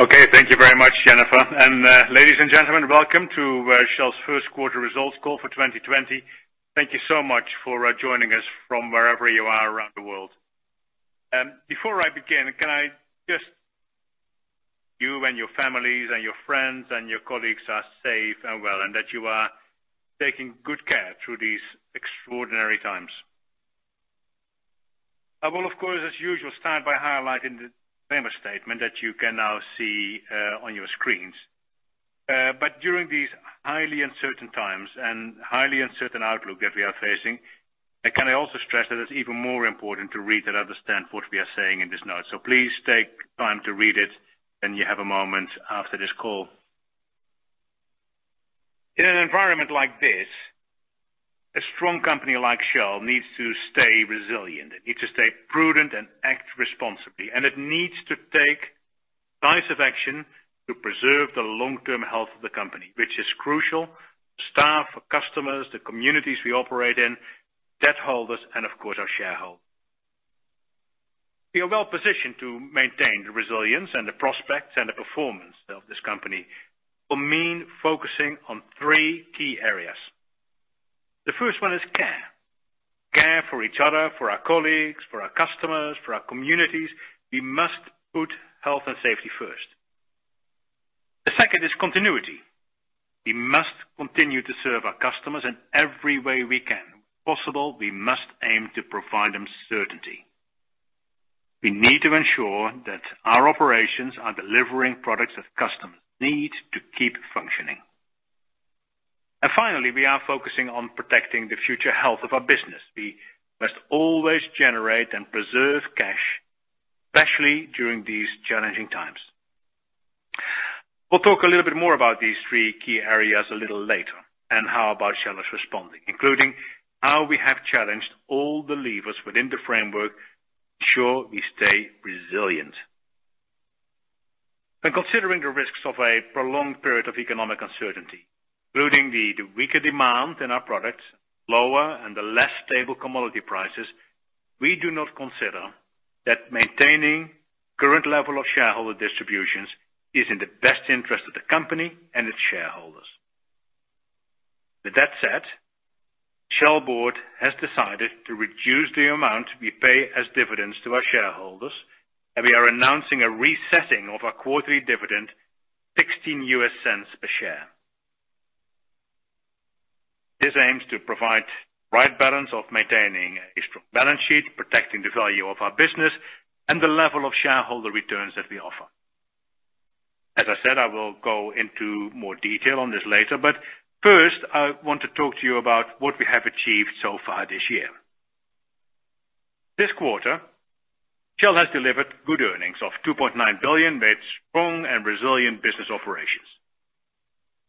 Okay, thank you very much, Jennifer. Ladies and gentlemen, welcome to Shell's first quarter results call for 2020. Thank you so much for joining us from wherever you are around the world. Before I begin, can I just say that I hope you, and your families, and your friends and your colleagues are safe and well, and that you are taking good care through these extraordinary times. I will, of course, as usual, start by highlighting the famous statement that you can now see on your screens. During these highly uncertain times and highly uncertain outlook that we are facing, can I also stress that it's even more important to read and understand what we are saying in this note. So please take time to read it when you have a moment after this call. In an environment like this, a strong company like Shell needs to stay resilient. It needs to stay prudent and act responsibly. It needs to take decisive action to preserve the long-term health of the company, which is crucial for staff, for customers, the communities we operate in, debt holders, and of course, our shareholders. We are well-positioned to maintain the resilience and the prospects and the performance of this company will mean focusing on three key areas. The first one is care. Care for each other, for our colleagues, for our customers, for our communities. We must put health and safety first. The second is continuity. We must continue to serve our customers in every way we can. If possible, we must aim to provide them certainty. We need to ensure that our operations are delivering products that customers need to keep functioning. Finally, we are focusing on protecting the future health of our business. We must always generate and preserve cash, especially during these challenging times. We'll talk a little bit more about these three key areas a little later, and how Shell is responding, including how we have challenged all the levers within the framework to ensure we stay resilient. When considering the risks of a prolonged period of economic uncertainty, including the weaker demand in our products, lower and less stable commodity prices, we do not consider that maintaining current level of shareholder distributions is in the best interest of the company and its shareholders. With that said, Shell Board has decided to reduce the amount we pay as dividends to our shareholders, and we are announcing a resetting of our quarterly dividend, $0.16 a share. This aims to provide the right balance of maintaining a strong balance sheet, protecting the value of our business, and the level of shareholder returns that we offer. As I said, I will go into more detail on this later. First, I want to talk to you about what we have achieved so far this year. This quarter, Shell has delivered good earnings of $2.9 billion with strong and resilient business operations.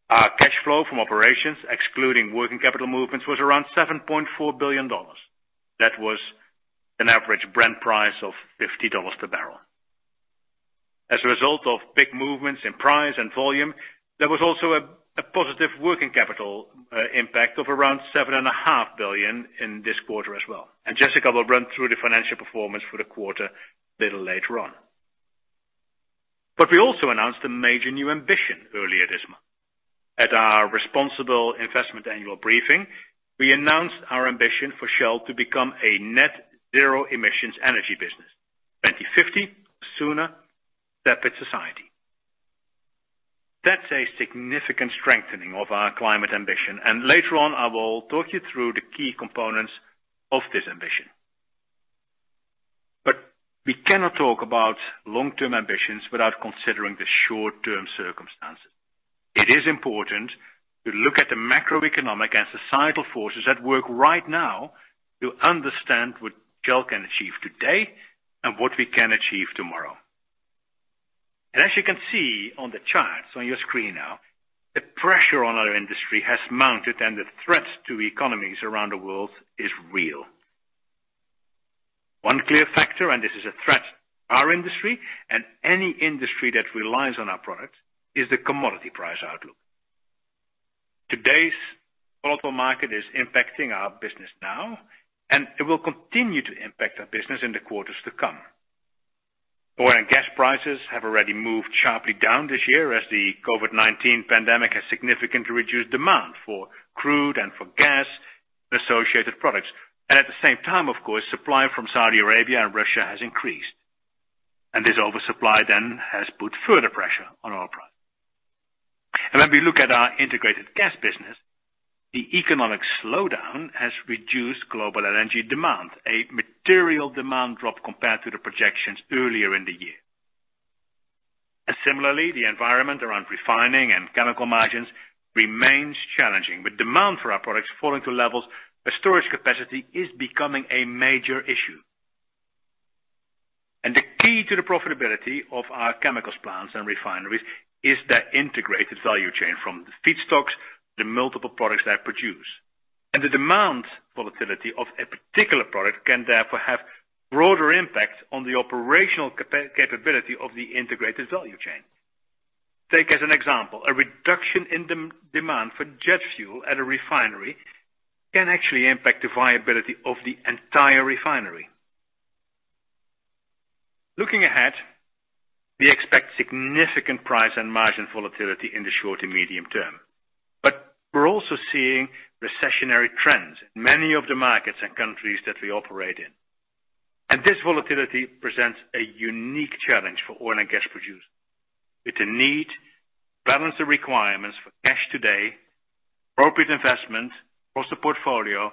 Our cash flow from operations, excluding working capital movements, was around $7.4 billion. That was an average Brent price of $50/bbl. As a result of big movements in price and volume, there was also a positive working capital impact of around $7.5 billion in this quarter as well. Jessica will run through the financial performance for the quarter a little later on. We also announced a major new ambition earlier this month. At our Responsible Investment Annual Briefing, we announced our ambition for Shell to become a net-zero emissions energy business, 2050, sooner in step with society. That's a significant strengthening of our climate ambition, and later on, I will talk you through the key components of this ambition. We cannot talk about long-term ambitions without considering the short-term circumstances. It is important to look at the macroeconomic and societal forces at work right now to understand what Shell can achieve today and what we can achieve tomorrow. As you can see on the charts on your screen now, the pressure on our industry has mounted and the threat to economies around the world is real. One clear factor, this is a threat to our industry and any industry that relies on our product, is the commodity price outlook. Today's volatile market is impacting our business now, it will continue to impact our business in the quarters to come. Oil and gas prices have already moved sharply down this year as the COVID-19 pandemic has significantly reduced demand for crude and for gas and associated products. At the same time, of course, supply from Saudi Arabia and Russia has increased. This oversupply then has put further pressure on our price. When we look at our Integrated Gas business, the economic slowdown has reduced global LNG demand, a material demand drop compared to the projections earlier in the year. Similarly, the environment around refining and chemical margins remains challenging, with demand for our products falling to levels where storage capacity is becoming a major issue. The key to the profitability of our chemicals, plants, and refineries is that integrated value chain from the feedstocks to the multiple products they produce. The demand volatility of a particular product can therefore have broader impacts on the operational capability of the integrated value chain. Take as an example, a reduction in demand for jet fuel at a refinery can actually impact the viability of the entire refinery. Looking ahead, we expect significant price and margin volatility in the short to medium term. We're also seeing recessionary trends in many of the markets and countries that we operate in. This volatility presents a unique challenge for oil and gas producers, with a need to balance the requirements for cash today, appropriate investment across the portfolio,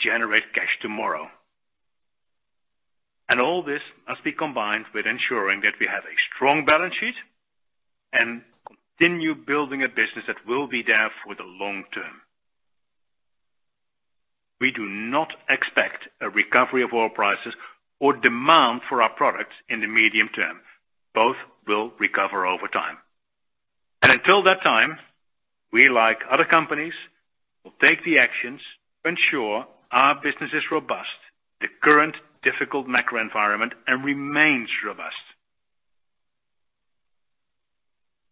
generate cash tomorrow. All this must be combined with ensuring that we have a strong balance sheet and continue building a business that will be there for the long term. We do not expect a recovery of oil prices or demand for our products in the medium term. Both will recover over time. Until that time, we, like other companies, will take the actions to ensure our business is robust in the current difficult macro environment and remains robust.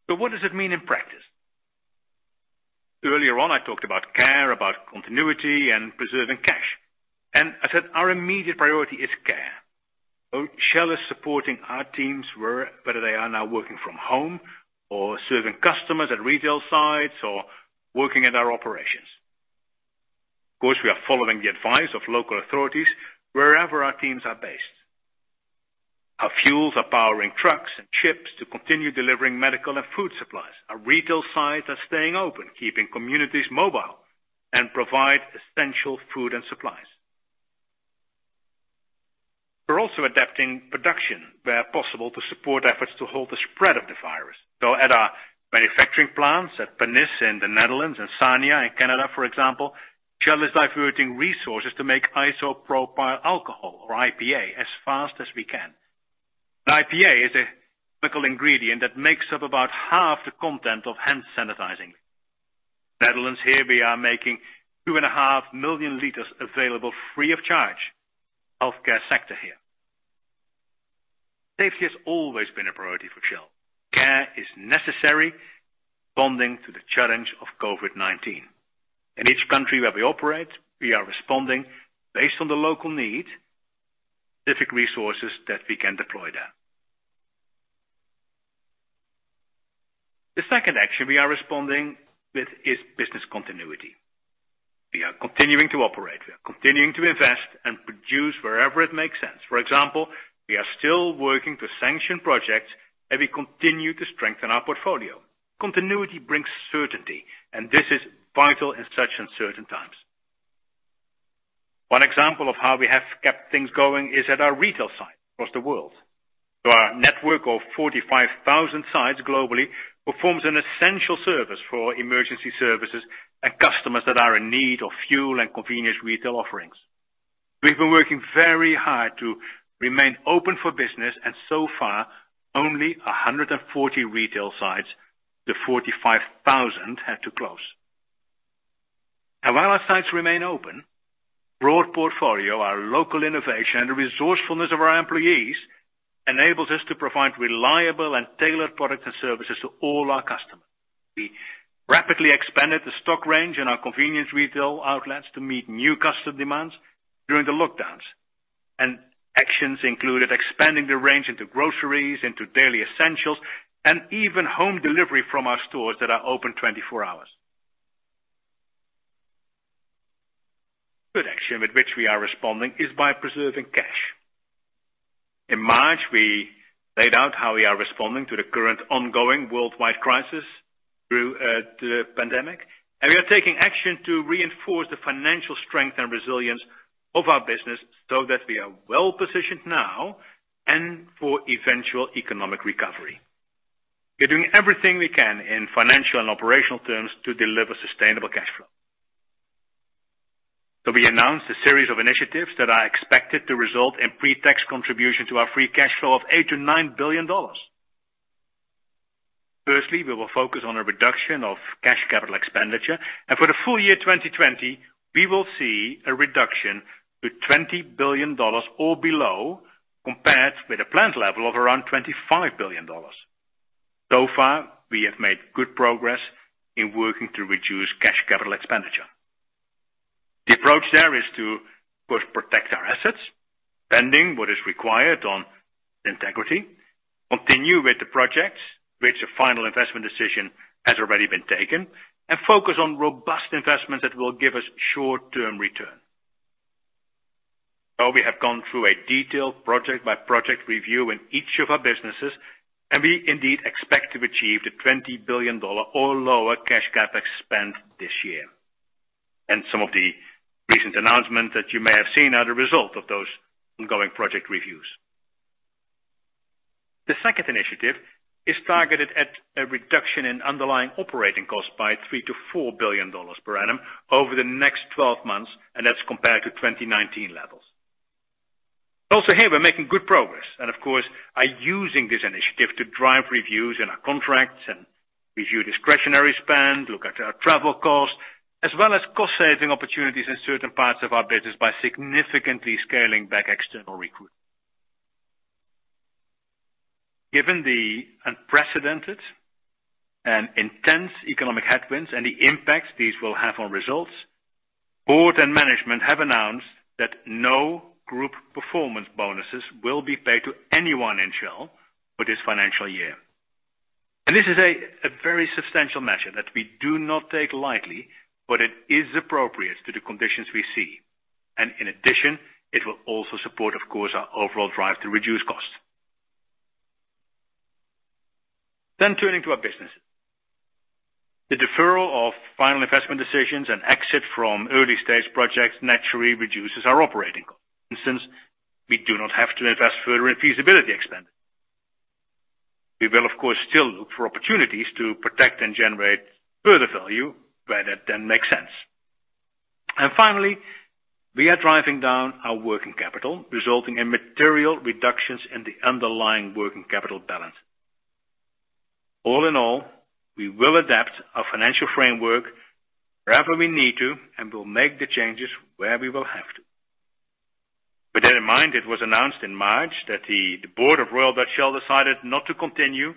What does it mean in practice? Earlier on, I talked about care, about continuity and preserving cash. I said our immediate priority is care. Shell is supporting our teams whether they are now working from home or serving customers at retail sites or working at our operations. Of course, we are following the advice of local authorities wherever our teams are based. Our fuels are powering trucks and ships to continue delivering medical and food supplies. Our retail sites are staying open, keeping communities mobile, and provide essential food and supplies. We're also adapting production where possible to support efforts to halt the spread of the virus. At our manufacturing plants at Pernis in the Netherlands and Sarnia in Canada, for example, Shell is diverting resources to make isopropyl alcohol or IPA as fast as we can. Now, IPA is a chemical ingredient that makes up about half the content of hand sanitizing. Netherlands, here we are making 2.5 million liters available free of charge to the healthcare sector here. Safety has always been a priority for Shell. Care is necessary responding to the challenge of COVID-19. In each country where we operate, we are responding based on the local need and the specific resources that we can deploy there. The second action we are responding with is business continuity. We are continuing to operate, we are continuing to invest and produce wherever it makes sense. For example, we are still working to sanction projects, and we continue to strengthen our portfolio. Continuity brings certainty, and this is vital in such uncertain times. One example of how we have kept things going is at our retail sites across the world. Our network of 45,000 sites globally performs an essential service for emergency services and customers that are in need of fuel and convenience retail offerings. We've been working very hard to remain open for business, so far, only 140 retail sites of the 45,000 had to close. While our sites remain open, broad portfolio, our local innovation, and the resourcefulness of our employees enables us to provide reliable and tailored products and services to all our customers. We rapidly expanded the stock range in our convenience retail outlets to meet new customer demands during the lockdowns. Actions included expanding the range into groceries, into daily essentials, and even home delivery from our stores that are open 24 hours. Third action with which we are responding is by preserving cash. In March, we laid out how we are responding to the current ongoing worldwide crisis through the pandemic. We are taking action to reinforce the financial strength and resilience of our business so that we are well positioned now and for eventual economic recovery. We're doing everything we can in financial and operational terms to deliver sustainable cash flow. We announced a series of initiatives that are expected to result in pre-tax contribution to our free cash flow of $8 billion-$9 billion. Firstly, we will focus on a reduction of cash capital expenditure. For the full year 2020, we will see a reduction to $20 billion or below, compared with a planned level of around $25 billion. So far, we have made good progress in working to reduce cash capital expenditure. The approach there is to first protect our assets, spending what is required on integrity, continue with the projects which the final investment decision has already been taken, and focus on robust investments that will give us short-term return. We have gone through a detailed project-by-project review in each of our businesses, and we indeed expect to achieve the $20 billion or lower cash CapEx spend this year. Some of the recent announcements that you may have seen are the result of those ongoing project reviews. The second initiative is targeted at a reduction in underlying operating costs by $3 billion-$4 billion per annum over the next 12 months, and that's compared to 2019 levels. Also here, we're making good progress and of course, are using this initiative to drive reviews in our contracts and review discretionary spend, look at our travel costs, as well as cost-saving opportunities in certain parts of our business by significantly scaling back external recruitment. Given the unprecedented and intense economic headwinds and the impact these will have on results, Board and Management have announced that no group performance bonuses will be paid to anyone in Shell for this financial year. This is a very substantial measure that we do not take lightly, but it is appropriate to the conditions we see. In addition, it will also support, of course, our overall drive to reduce costs. Turning to our business. The deferral of final investment decisions and exit from early-stage projects naturally reduces our operating costs, since we do not have to invest further in feasibility expenditure. We will, of course, still look for opportunities to protect and generate further value where that then makes sense. Finally, we are driving down our working capital, resulting in material reductions in the underlying working capital balance. All in all, we will adapt our financial framework wherever we need to, and we'll make the changes where we will have to. With that in mind, it was announced in March that the Board of Royal Dutch Shell decided not to continue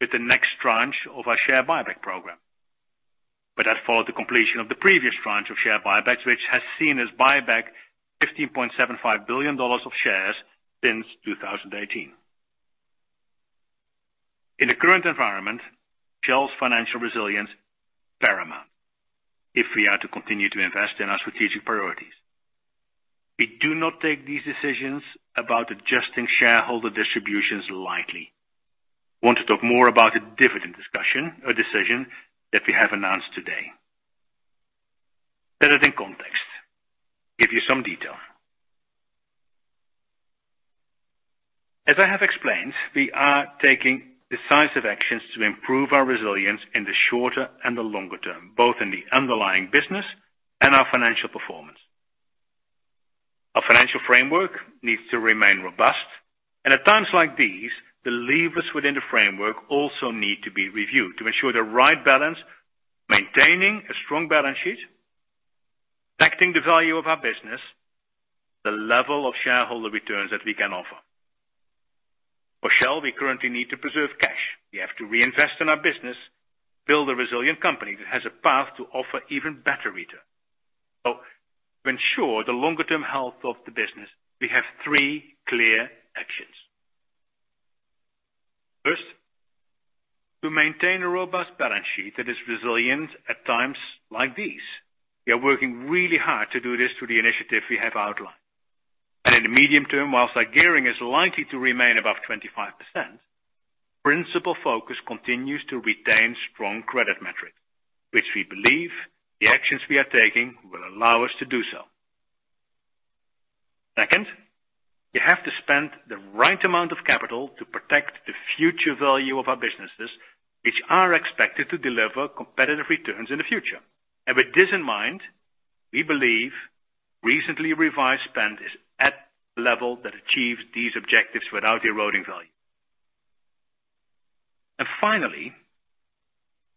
with the next tranche of our share buyback program. That followed the completion of the previous tranche of share buybacks, which has seen us buy back $15.75 billion of shares since 2018. In the current environment, Shell's financial resilience paramount if we are to continue to invest in our strategic priorities. We do not take these decisions about adjusting shareholder distributions lightly. I want to talk more about the dividend discussion or decision that we have announced today. Set it in context. Give you some detail. As I have explained, we are taking decisive actions to improve our resilience in the shorter and the longer term, both in the underlying business and our financial performance. Our financial framework needs to remain robust, and at times like these, the levers within the framework also need to be reviewed to ensure the right balance, maintaining a strong balance sheet, protecting the value of our business, the level of shareholder returns that we can offer. For Shell, we currently need to preserve cash. We have to reinvest in our business, build a resilient company that has a path to offer even better returns. To ensure the longer-term health of the business, we have three clear actions. First, to maintain a robust balance sheet that is resilient at times like these. We are working really hard to do this through the initiative we have outlined. In the medium term, whilst our gearing is likely to remain above 25%, principal focus continues to retain strong credit metrics, which we believe the actions we are taking will allow us to do so. Second, we have to spend the right amount of capital to protect the future value of our businesses, which are expected to deliver competitive returns in the future. With this in mind, we believe recently revised spend is at level that achieves these objectives without eroding value. Finally,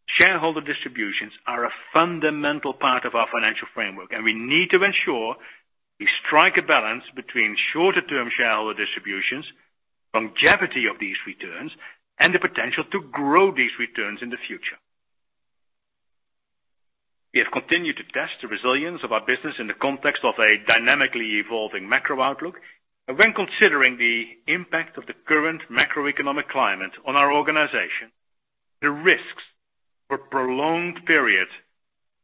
shareholder distributions are a fundamental part of our financial framework, and we need to ensure we strike a balance between shorter-term shareholder distributions, longevity of these returns, and the potential to grow these returns in the future. We have continued to test the resilience of our business in the context of a dynamically evolving macro outlook. When considering the impact of the current macroeconomic climate on our organization, the risks for prolonged periods,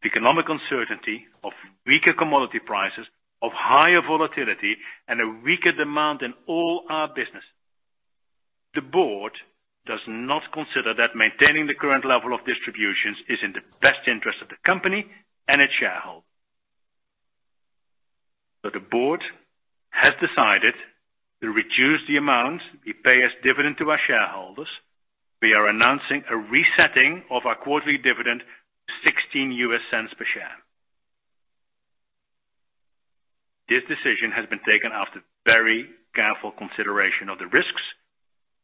economic uncertainty of weaker commodity prices, of higher volatility, and a weaker demand in all our business. The Board does not consider that maintaining the current level of distributions is in the best interest of the company and its shareholders. The Board has decided to reduce the amount we pay as dividend to our shareholders. We are announcing a resetting of our quarterly dividend to $0.16/share. This decision has been taken after very careful consideration of the risks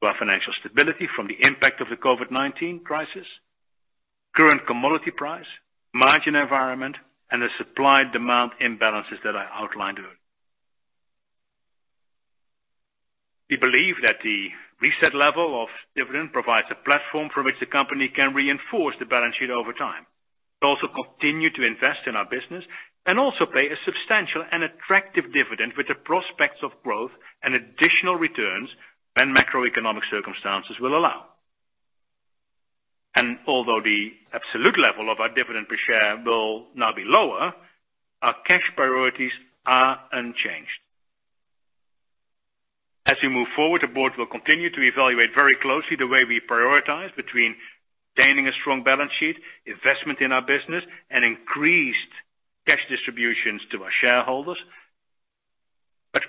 to our financial stability from the impact of the COVID-19 crisis, current commodity price, margin environment, and the supply-demand imbalances that I outlined earlier. We believe that the reset level of dividend provides a platform from which the company can reinforce the balance sheet over time, but also continue to invest in our business, and also pay a substantial and attractive dividend with the prospects of growth and additional returns when macroeconomic circumstances will allow. Although the absolute level of our dividend per share will now be lower, our cash priorities are unchanged. As we move forward, the Board will continue to evaluate very closely the way we prioritize between maintaining a strong balance sheet, investment in our business, and increased cash distributions to our shareholders.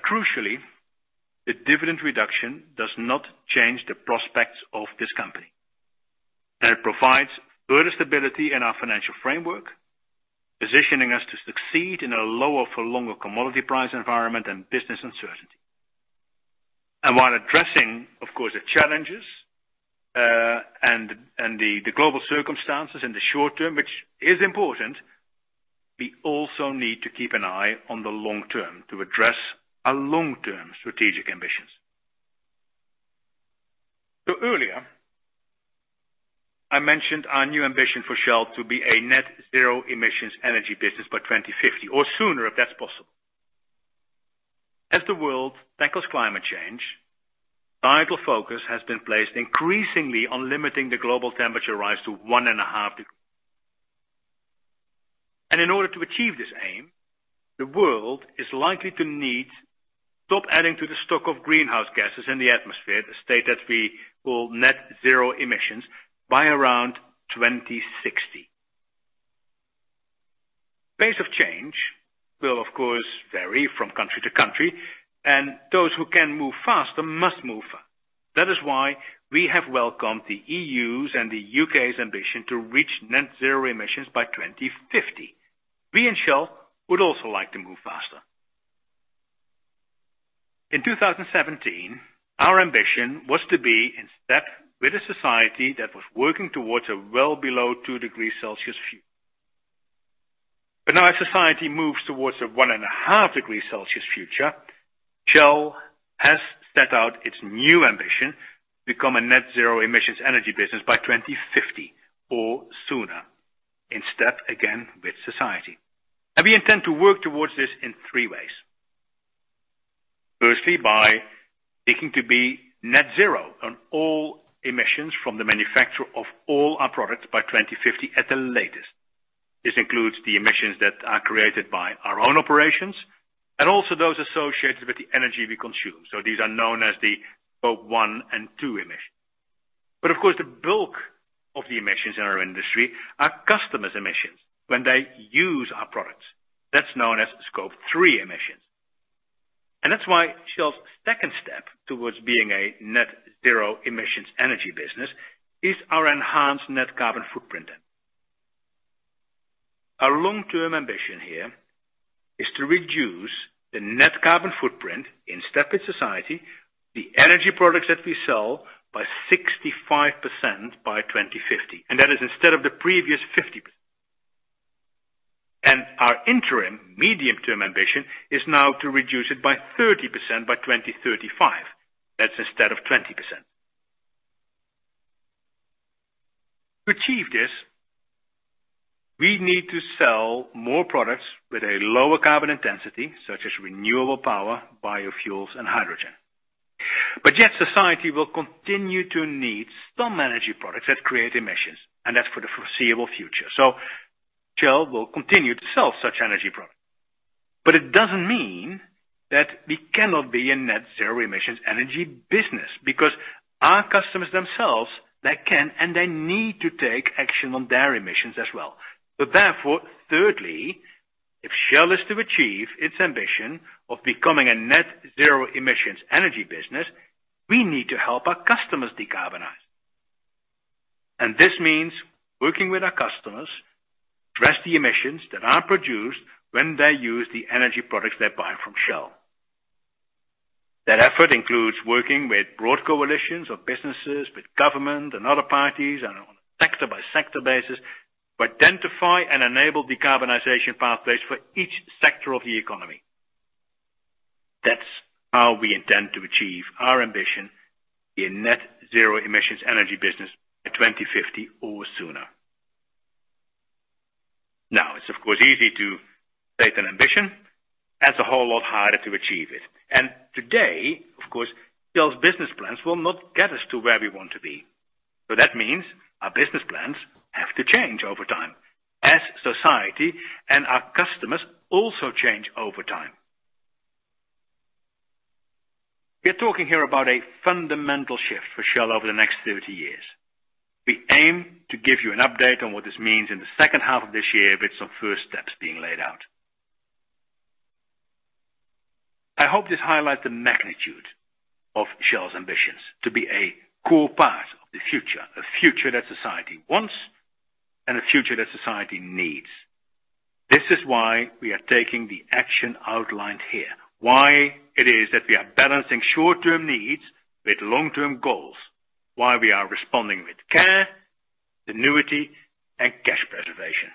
Crucially, the dividend reduction does not change the prospects of this company. It provides further stability in our financial framework, positioning us to succeed in a lower for longer commodity price environment and business uncertainty. While addressing, of course, the challenges and the global circumstances in the short term, which is important. We also need to keep an eye on the long term to address our long-term strategic ambitions. Earlier, I mentioned our new ambition for Shell to be a net-zero emissions energy business by 2050 or sooner if that's possible. As the world tackles climate change, vital focus has been placed increasingly on limiting the global temperature rise to 1.5 degrees Celsius. In order to achieve this aim, the world is likely to need to stop adding to the stock of greenhouse gases in the atmosphere, the state that we call net-zero emissions, by around 2060. The pace of change will of course vary from country to country, and those who can move faster must move fast. That is why we have welcomed the E.U.'s and the U.K.'s ambition to reach net-zero emissions by 2050. We in Shell would also like to move faster. In 2017, our ambition was to be in step with a society that was working towards a well below 2 degrees Celsius future. Now as society moves towards a 1.5 degrees Celsius future, Shell has set out its new ambition to become a net-zero emissions energy business by 2050 or sooner, in step again with society. We intend to work towards this in three ways. Firstly, by seeking to be net-zero on all emissions from the manufacture of all our products by 2050 at the latest. This includes the emissions that are created by our own operations and also those associated with the energy we consume. These are known as the Scope 1 and 2 emissions. Of course, the bulk of the emissions in our industry are customers' emissions when they use our products. That's known as Scope 3 emissions. That's why Shell's second step towards being a net-zero emissions energy business is our enhanced Net Carbon Footprint ambition. Our long-term ambition here is to reduce the Net Carbon Footprint, in step with society, the energy products that we sell by 65% by 2050, and that is instead of the previous 50%. Our interim medium-term ambition is now to reduce it by 30% by 2035. That's instead of 20%. To achieve this, we need to sell more products with a lower carbon intensity, such as renewable power, biofuels, and hydrogen. Yet society will continue to need some energy products that create emissions, and that's for the foreseeable future. Shell will continue to sell such energy products. It doesn't mean that we cannot be a net-zero emissions energy business because our customers themselves, they can and they need to take action on their emissions as well. Therefore, thirdly, if Shell is to achieve its ambition of becoming a net-zero emissions energy business, we need to help our customers decarbonize. This means working with our customers to address the emissions that are produced when they use the energy products they buy from Shell. That effort includes working with broad coalitions of businesses, with government and other parties, and on a sector-by-sector basis to identify and enable decarbonization pathways for each sector of the economy. That's how we intend to achieve our ambition, a net-zero emissions energy business by 2050 or sooner. Now, it's of course easy to state an ambition and it's a whole lot harder to achieve it. Today, of course, Shell's business plans will not get us to where we want to be. That means our business plans have to change over time as society and our customers also change over time. We are talking here about a fundamental shift for Shell over the next 30 years. We aim to give you an update on what this means in the second half of this year with some first steps being laid out. I hope this highlights the magnitude of Shell's ambitions to be a core part of the future, a future that society wants and a future that society needs. This is why we are taking the action outlined here, why it is that we are balancing short-term needs with long-term goals, why we are responding with care, continuity, and cash preservation.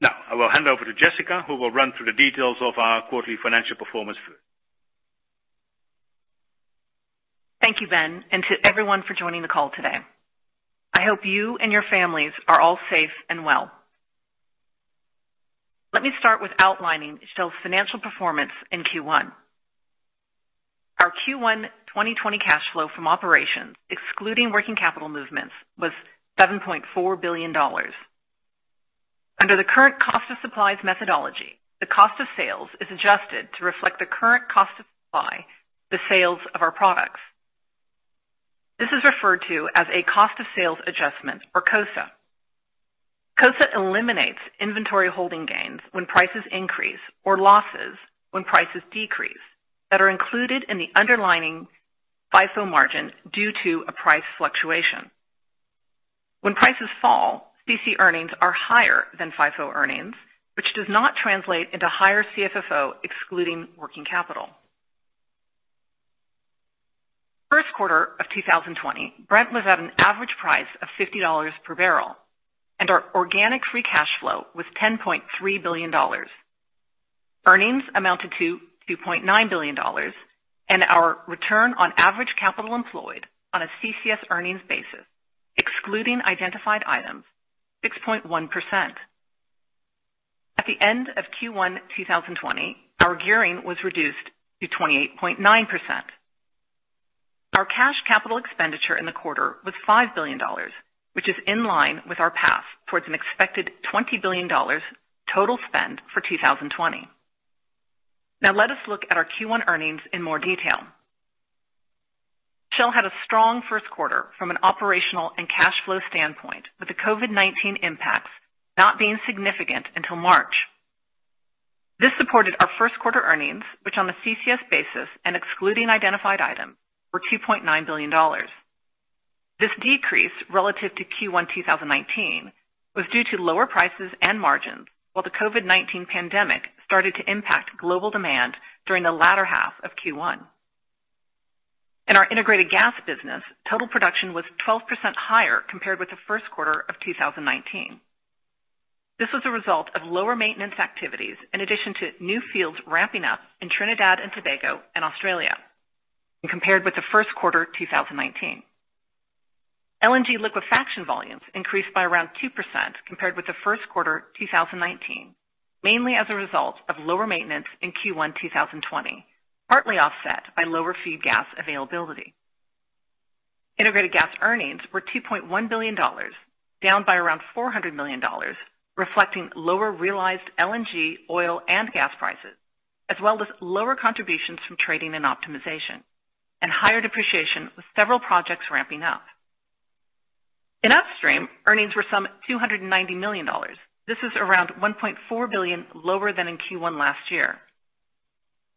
Now, I will hand over to Jessica, who will run through the details of our quarterly financial performance first. Thank you, Ben, and to everyone for joining the call today. I hope you and your families are all safe and well. Let me start with outlining Shell's financial performance in Q1. Our Q1 2020 cash flow from operations, excluding working capital movements, was $7.4 billion. Under the Current Cost of Supplies methodology, the cost of sales is adjusted to reflect the current cost of supply the sales of our products. This is referred to as a Cost of Sales Adjustment or COSA. COSA eliminates inventory holding gains when prices increase or losses when prices decrease that are included in the underlying FIFO margin due to a price fluctuation. When prices fall, CCS earnings are higher than FIFO earnings, which does not translate into higher CFFO excluding working capital. First quarter of 2020, Brent was at an average price of $50/bbl, and our organic free cash flow was $10.3 billion. Earnings amounted to $2.9 billion, and our return on average capital employed on a CCS earnings basis, excluding identified items, 6.1%. At the end of Q1 2020, our gearing was reduced to 28.9%. Our cash capital expenditure in the quarter was $5 billion, which is in line with our path towards an expected $20 billion total spend for 2020. Let us look at our Q1 earnings in more detail. Shell had a strong first quarter from an operational and cash flow standpoint, with the COVID-19 impacts not being significant until March. This supported our first quarter earnings, which on a CCS basis and excluding identified items, were $2.9 billion. This decrease relative to Q1 2019 was due to lower prices and margins, while the COVID-19 pandemic started to impact global demand during the latter half of Q1. In our Integrated Gas business, total production was 12% higher compared with the first quarter of 2019. This was a result of lower maintenance activities, in addition to new fields ramping up in Trinidad and Tobago and Australia compared with the first quarter 2019. LNG liquefaction volumes increased by around 2% compared with the first quarter 2019, mainly as a result of lower maintenance in Q1 2020, partly offset by lower feed gas availability. Integrated Gas earnings were $2.1 billion, down by around $400 million, reflecting lower realized LNG, oil, and gas prices, as well as lower contributions from trading and optimization, and higher depreciation with several projects ramping up. In Upstream, earnings were some $290 million. This is around $1.4 billion lower than in Q1 last year.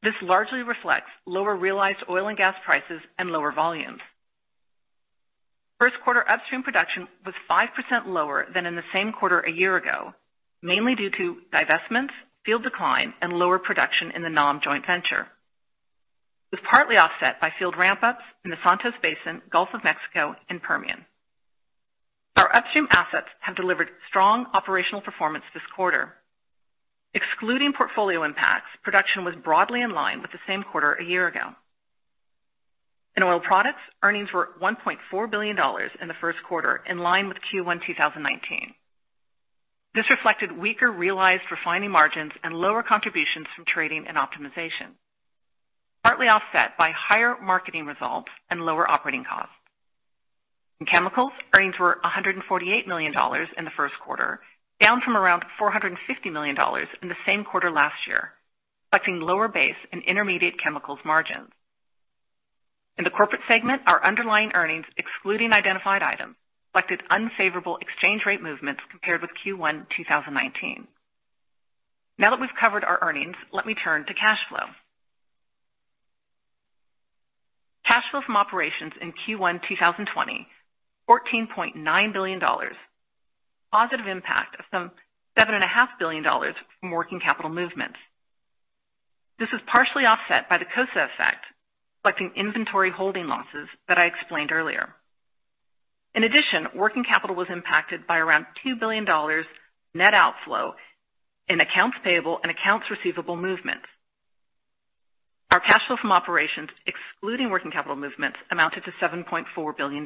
This largely reflects lower realized oil and gas prices and lower volumes. First quarter Upstream production was 5% lower than in the same quarter a year ago, mainly due to divestments, field decline, and lower production in the NAM joint venture. It was partly offset by field ramp-ups in the Santos Basin, Gulf of Mexico, and Permian. Our Upstream assets have delivered strong operational performance this quarter. Excluding portfolio impacts, production was broadly in line with the same quarter a year ago. In Oil Products, earnings were $1.4 billion in the first quarter, in line with Q1 2019. This reflected weaker realized refining margins and lower contributions from trading and optimization, partly offset by higher marketing results and lower operating costs. In Chemicals, earnings were $148 million in the first quarter, down from around $450 million in the same quarter last year, reflecting lower base and intermediate chemicals margins. In the Corporate segment, our underlying earnings excluding identified items reflected unfavorable exchange rate movements compared with Q1 2019. Now that we've covered our earnings, let me turn to cash flow. Cash flow from operations in Q1 2020, $14.9 billion. Positive impact of some $7.5 billion from working capital movements. This was partially offset by the COSA effect, reflecting inventory holding losses that I explained earlier. In addition, working capital was impacted by around $2 billion net outflow in accounts payable and accounts receivable movements. Our cash flow from operations excluding working capital movements amounted to $7.4 billion.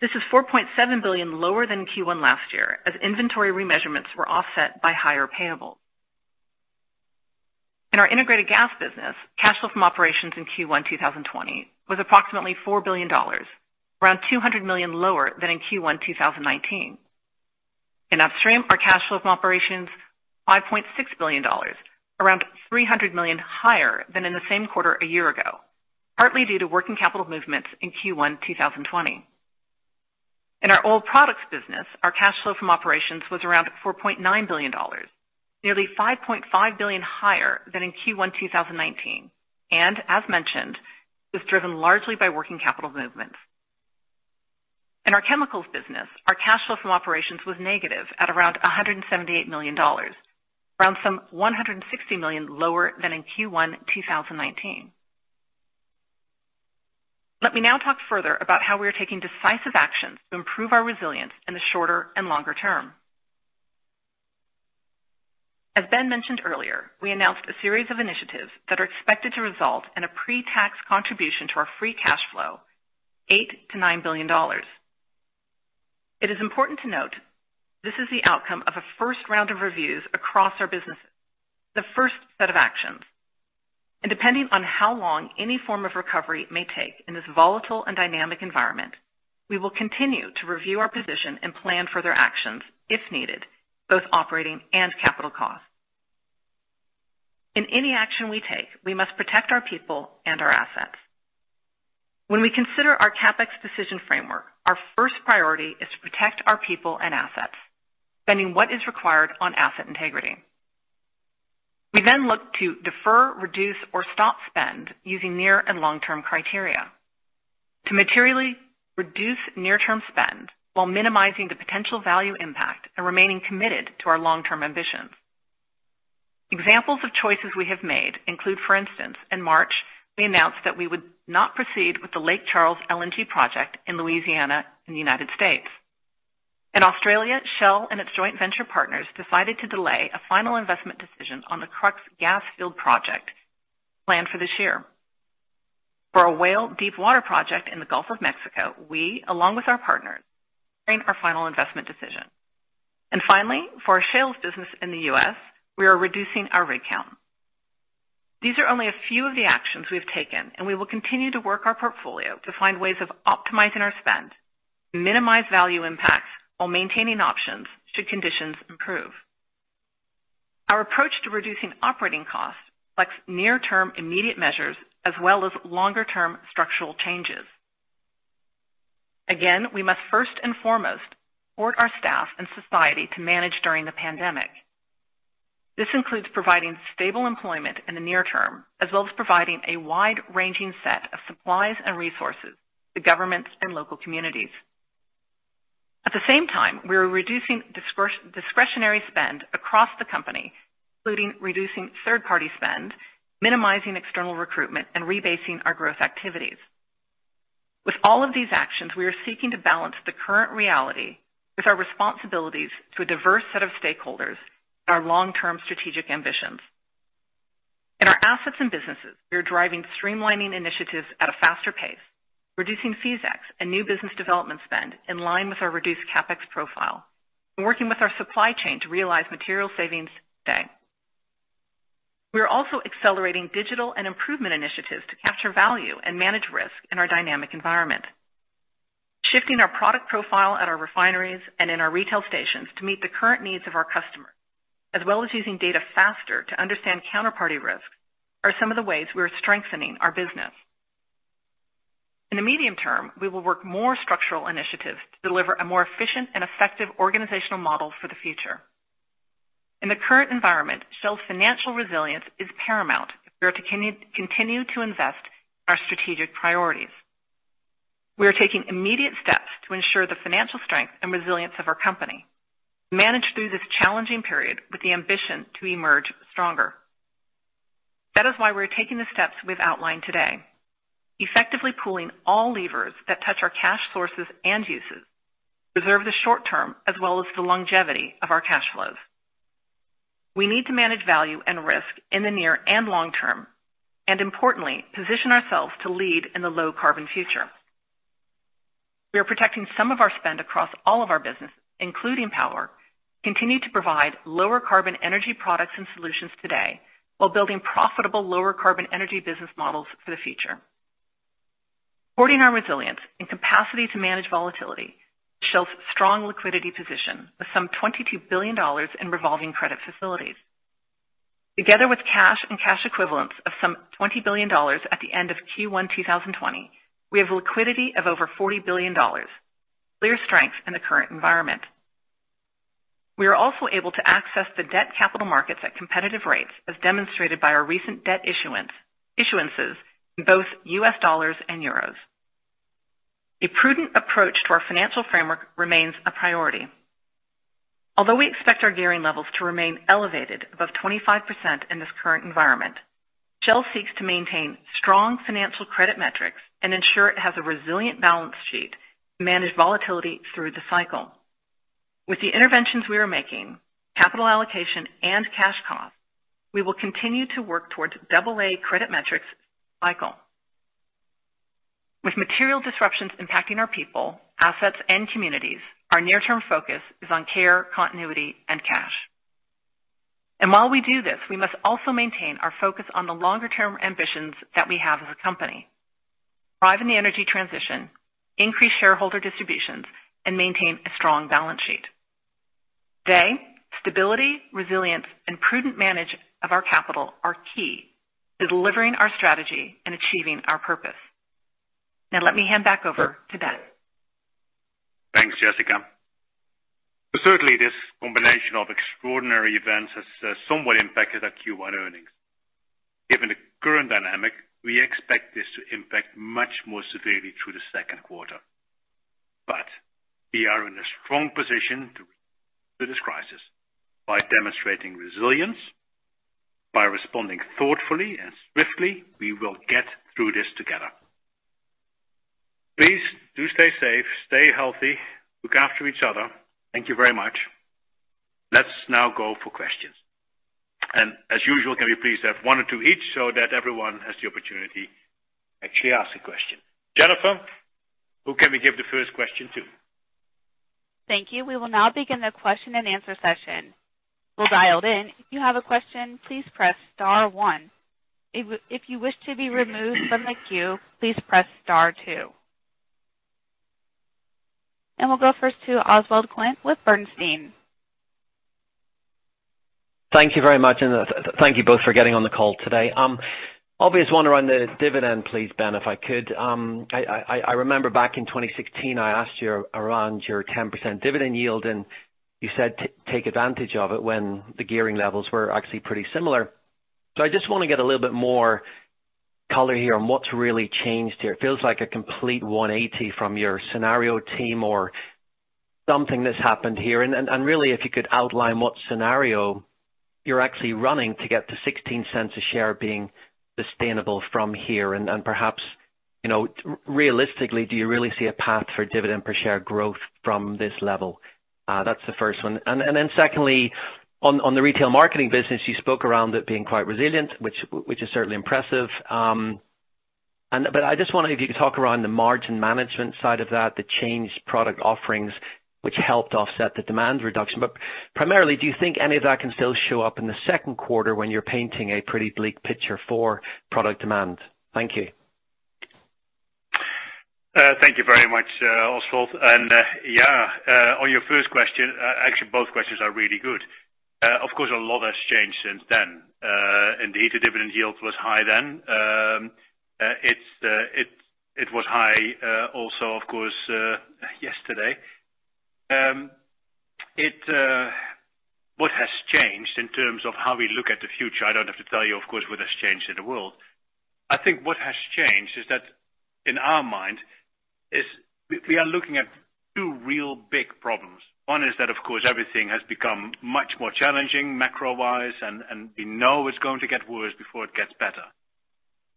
This is $4.7 billion lower than Q1 last year as inventory remeasurements were offset by higher payables. In our Integrated Gas business, cash flow from operations in Q1 2020 was approximately $4 billion, around $200 million lower than in Q1 2019. In Upstream, our cash flow from operations, $5.6 billion, around $300 million higher than in the same quarter a year ago, partly due to working capital movements in Q1 2020. In our Oil Products business, our cash flow from operations was around $4.9 billion, nearly $5.5 billion higher than in Q1 2019, and as mentioned, was driven largely by working capital movements. In our Chemicals business, our cash flow from operations was negative at around $178 million, around some $160 million lower than in Q1 2019. Let me now talk further about how we are taking decisive actions to improve our resilience in the shorter and longer term. As Ben mentioned earlier, we announced a series of initiatives that are expected to result in a pre-tax contribution to our free cash flow, $8 billion-$9 billion. It is important to note this is the outcome of a first round of reviews across our businesses, the first set of actions. Depending on how long any form of recovery may take in this volatile and dynamic environment, we will continue to review our position and plan further actions if needed, both operating and capital costs. In any action we take, we must protect our people and our assets. When we consider our CapEx decision framework, our first priority is to protect our people and assets, spending what is required on asset integrity. We look to defer, reduce, or stop spend using near and long-term criteria to materially reduce near-term spend while minimizing the potential value impact and remaining committed to our long-term ambitions. Examples of choices we have made include, for instance, in March, we announced that we would not proceed with the Lake Charles LNG project in Louisiana in the U.S. In Australia, Shell and its joint venture partners decided to delay a final investment decision on the Crux gas field project planned for this year. For our Whale deep-water project in the Gulf of Mexico, we, along with our partners, are making our final investment decision. Finally, for our shales business in the U.S., we are reducing our rig count. These are only a few of the actions we've taken, and we will continue to work our portfolio to find ways of optimizing our spend to minimize value impacts while maintaining options should conditions improve. Our approach to reducing operating costs affects near-term immediate measures as well as longer-term structural changes. Again, we must first and foremost support our staff and society to manage during the pandemic. This includes providing stable employment in the near term, as well as providing a wide-ranging set of supplies and resources to governments and local communities. At the same time, we are reducing discretionary spend across the company, including reducing third-party spend, minimizing external recruitment, and rebasing our growth activities. With all of these actions, we are seeking to balance the current reality with our responsibilities to a diverse set of stakeholders and our long-term strategic ambitions. In our assets and businesses, we are driving streamlining initiatives at a faster pace, reducing feasex and new business development spend in line with our reduced CapEx profile, and working with our supply chain to realize material savings today. We are also accelerating digital and improvement initiatives to capture value and manage risk in our dynamic environment. Shifting our product profile at our refineries and in our retail stations to meet the current needs of our customers, as well as using data faster to understand counterparty risks, are some of the ways we are strengthening our business. In the medium term, we will work more structural initiatives to deliver a more efficient and effective organizational model for the future. In the current environment, Shell's financial resilience is paramount if we are to continue to invest in our strategic priorities. We are taking immediate steps to ensure the financial strength and resilience of our company to manage through this challenging period with the ambition to emerge stronger. We're taking the steps we've outlined today, effectively pooling all levers that touch our cash sources and uses to preserve the short term as well as the longevity of our cash flows. We need to manage value and risk in the near and long term, importantly, position ourselves to lead in the low-carbon future. We are protecting some of our spend across all of our business, including power, to continue to provide lower carbon energy products and solutions today while building profitable lower carbon energy business models for the future. Supporting our resilience and capacity to manage volatility is Shell's strong liquidity position, with some $22 billion in revolving credit facilities. Together with cash and cash equivalents of some $20 billion at the end of Q1 2020, we have liquidity of over $40 billion, clear strength in the current environment. We are also able to access the debt capital markets at competitive rates, as demonstrated by our recent debt issuances in both U.S. dollars and euros. A prudent approach to our financial framework remains a priority. Although we expect our gearing levels to remain elevated above 25% in this current environment, Shell seeks to maintain strong financial credit metrics and ensure it has a resilient balance sheet to manage volatility through the cycle. With the interventions we are making, capital allocation, and cash costs, we will continue to work towards AA credit metrics this cycle. With material disruptions impacting our people, assets, and communities, our near-term focus is on care, continuity, and cash. While we do this, we must also maintain our focus on the longer-term ambitions that we have as a company. Thrive in the energy transition, increase shareholder distributions, and maintain a strong balance sheet. Today, stability, resilience, and prudent management of our capital are key to delivering our strategy and achieving our purpose. Now let me hand back over to Ben. Thanks, Jessica. Certainly, this combination of extraordinary events has somewhat impacted our Q1 earnings. Given the current dynamic, we expect this to impact much more severely through the second quarter. We are in a strong position to weather this crisis by demonstrating resilience, by responding thoughtfully and swiftly, we will get through this together. Please do stay safe, stay healthy, look after each other. Thank you very much. Let's now go for questions. As usual, can we please have one or two each so that everyone has the opportunity to actually ask a question. Jennifer, who can we give the first question to? Thank you. We will now begin the question and answer session. For those dialed in, if you have a question, please press star one. If you wish to be removed from the queue, please press star two. We'll go first to Oswald Clint with Bernstein. Thank you very much, thank you both for getting on the call today. Obvious one around the dividend, please, Ben, if I could. I remember back in 2016, I asked you around your 10% dividend yield, and you said to take advantage of it when the gearing levels were actually pretty similar. I just want to get a little bit more color here on what's really changed here. It feels like a complete 180 from your scenario team or something that's happened here, and really, if you could outline what scenario you're actually running to get to $0.16 a share being sustainable from here and perhaps, realistically, do you really see a path for dividend per share growth from this level? That's the first one. Then secondly, on the retail marketing business, you spoke around it being quite resilient, which is certainly impressive. I just wonder if you could talk around the margin management side of that, the changed product offerings, which helped offset the demand reduction. Primarily, do you think any of that can still show up in the second quarter when you're painting a pretty bleak picture for product demand? Thank you. Thank you very much, Oswald. Yeah, on your first question, actually, both questions are really good. Of course, a lot has changed since then. Indeed, the dividend yield was high then. It was high also, of course, yesterday. What has changed in terms of how we look at the future, I don't have to tell you, of course, what has changed in the world. I think what has changed is that in our mind is we are looking at two real big problems. One is that, of course, everything has become much more challenging macro-wise. We know it's going to get worse before it gets better.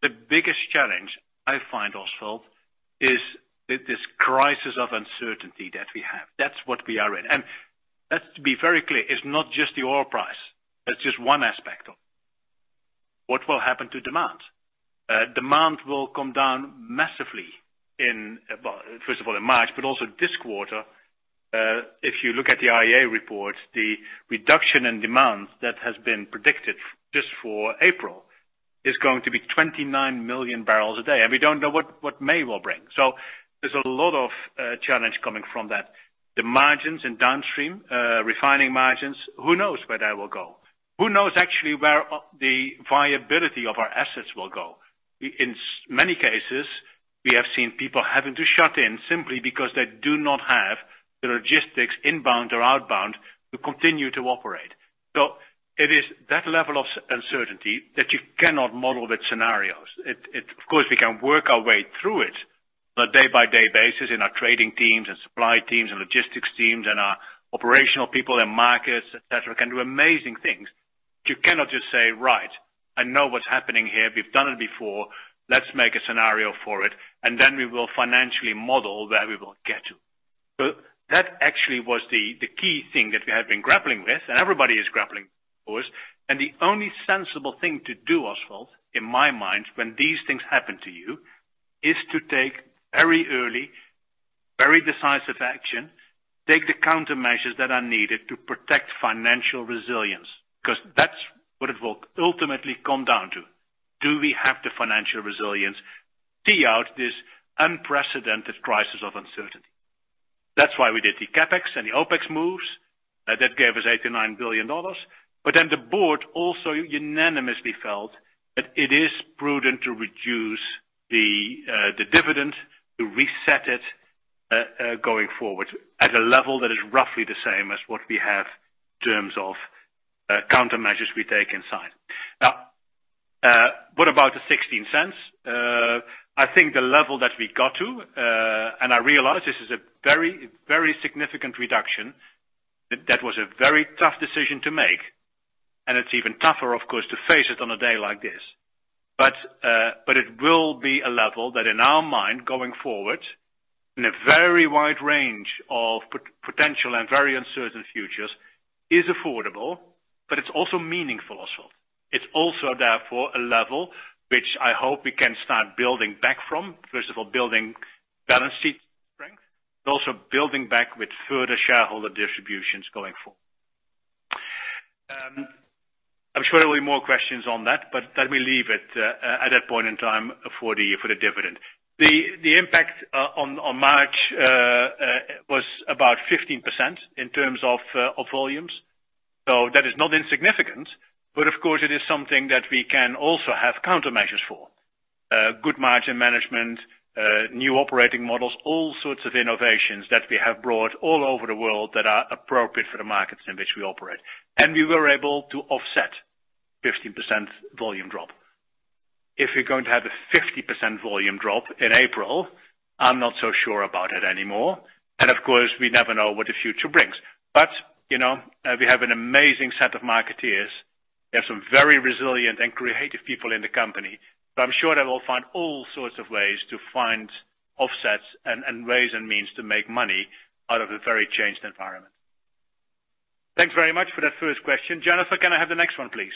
The biggest challenge I find, Oswald, is this crisis of uncertainty that we have. That's what we are in. Let's be very clear, it's not just the oil price. That's just one aspect of it. What will happen to demand? Demand will come down massively, first of all, in March, but also this quarter. If you look at the IEA reports, the reduction in demands that has been predicted just for April is going to be 29 million barrels a day, and we don't know what May will bring. There's a lot of challenge coming from that. The margins in downstream, refining margins, who knows where they will go? Who knows actually where the viability of our assets will go? In many cases, we have seen people having to shut in simply because they do not have the logistics inbound or outbound to continue to operate. It is that level of uncertainty that you cannot model with scenarios. Of course, we can work our way through it on a day-by-day basis in our trading teams and supply teams and logistics teams and our operational people and markets, et cetera, can do amazing things. You cannot just say, right. I know what's happening here. We've done it before. Let's make a scenario for it, and then we will financially model where we will get to. That actually was the key thing that we have been grappling with, and everybody is grappling, of course. The only sensible thing to do, Oswald, in my mind, when these things happen to you, is to take very early, very decisive action, take the countermeasures that are needed to protect financial resilience, because that's what it will ultimately come down to. Do we have the financial resilience to see out this unprecedented crisis of uncertainty? That's why we did the CapEx and the OpEx moves. That gave us $8 billion-$9 billion. The Board also unanimously felt that it is prudent to reduce the dividend to reset it, going forward at a level that is roughly the same as what we have in terms of countermeasures we take inside. What about the $0.16? I think the level that we got to, and I realize this is a very significant reduction, that was a very tough decision to make, and it's even tougher, of course, to face it on a day like this. It will be a level that in our mind, going forward, in a very wide range of potential and very uncertain futures, is affordable, but it's also meaningful also. It's also, therefore, a level which I hope we can start building back from. First of all, building balance sheet strength, but also building back with further shareholder distributions going forward. I'm sure there will be more questions on that, but let me leave it at that point in time for the dividend. The impact on March, was about 15% in terms of volumes. That is not insignificant, but of course, it is something that we can also have countermeasures for. Good margin management, new operating models, all sorts of innovations that we have brought all over the world that are appropriate for the markets in which we operate. We were able to offset 15% volume drop. If you're going to have a 50% volume drop in April, I'm not so sure about it anymore. Of course, we never know what the future brings. We have an amazing set of marketeers. We have some very resilient and creative people in the company, so I'm sure they will find all sorts of ways to find offsets and ways and means to make money out of a very changed environment. Thanks very much for that first question. Jennifer, can I have the next one, please?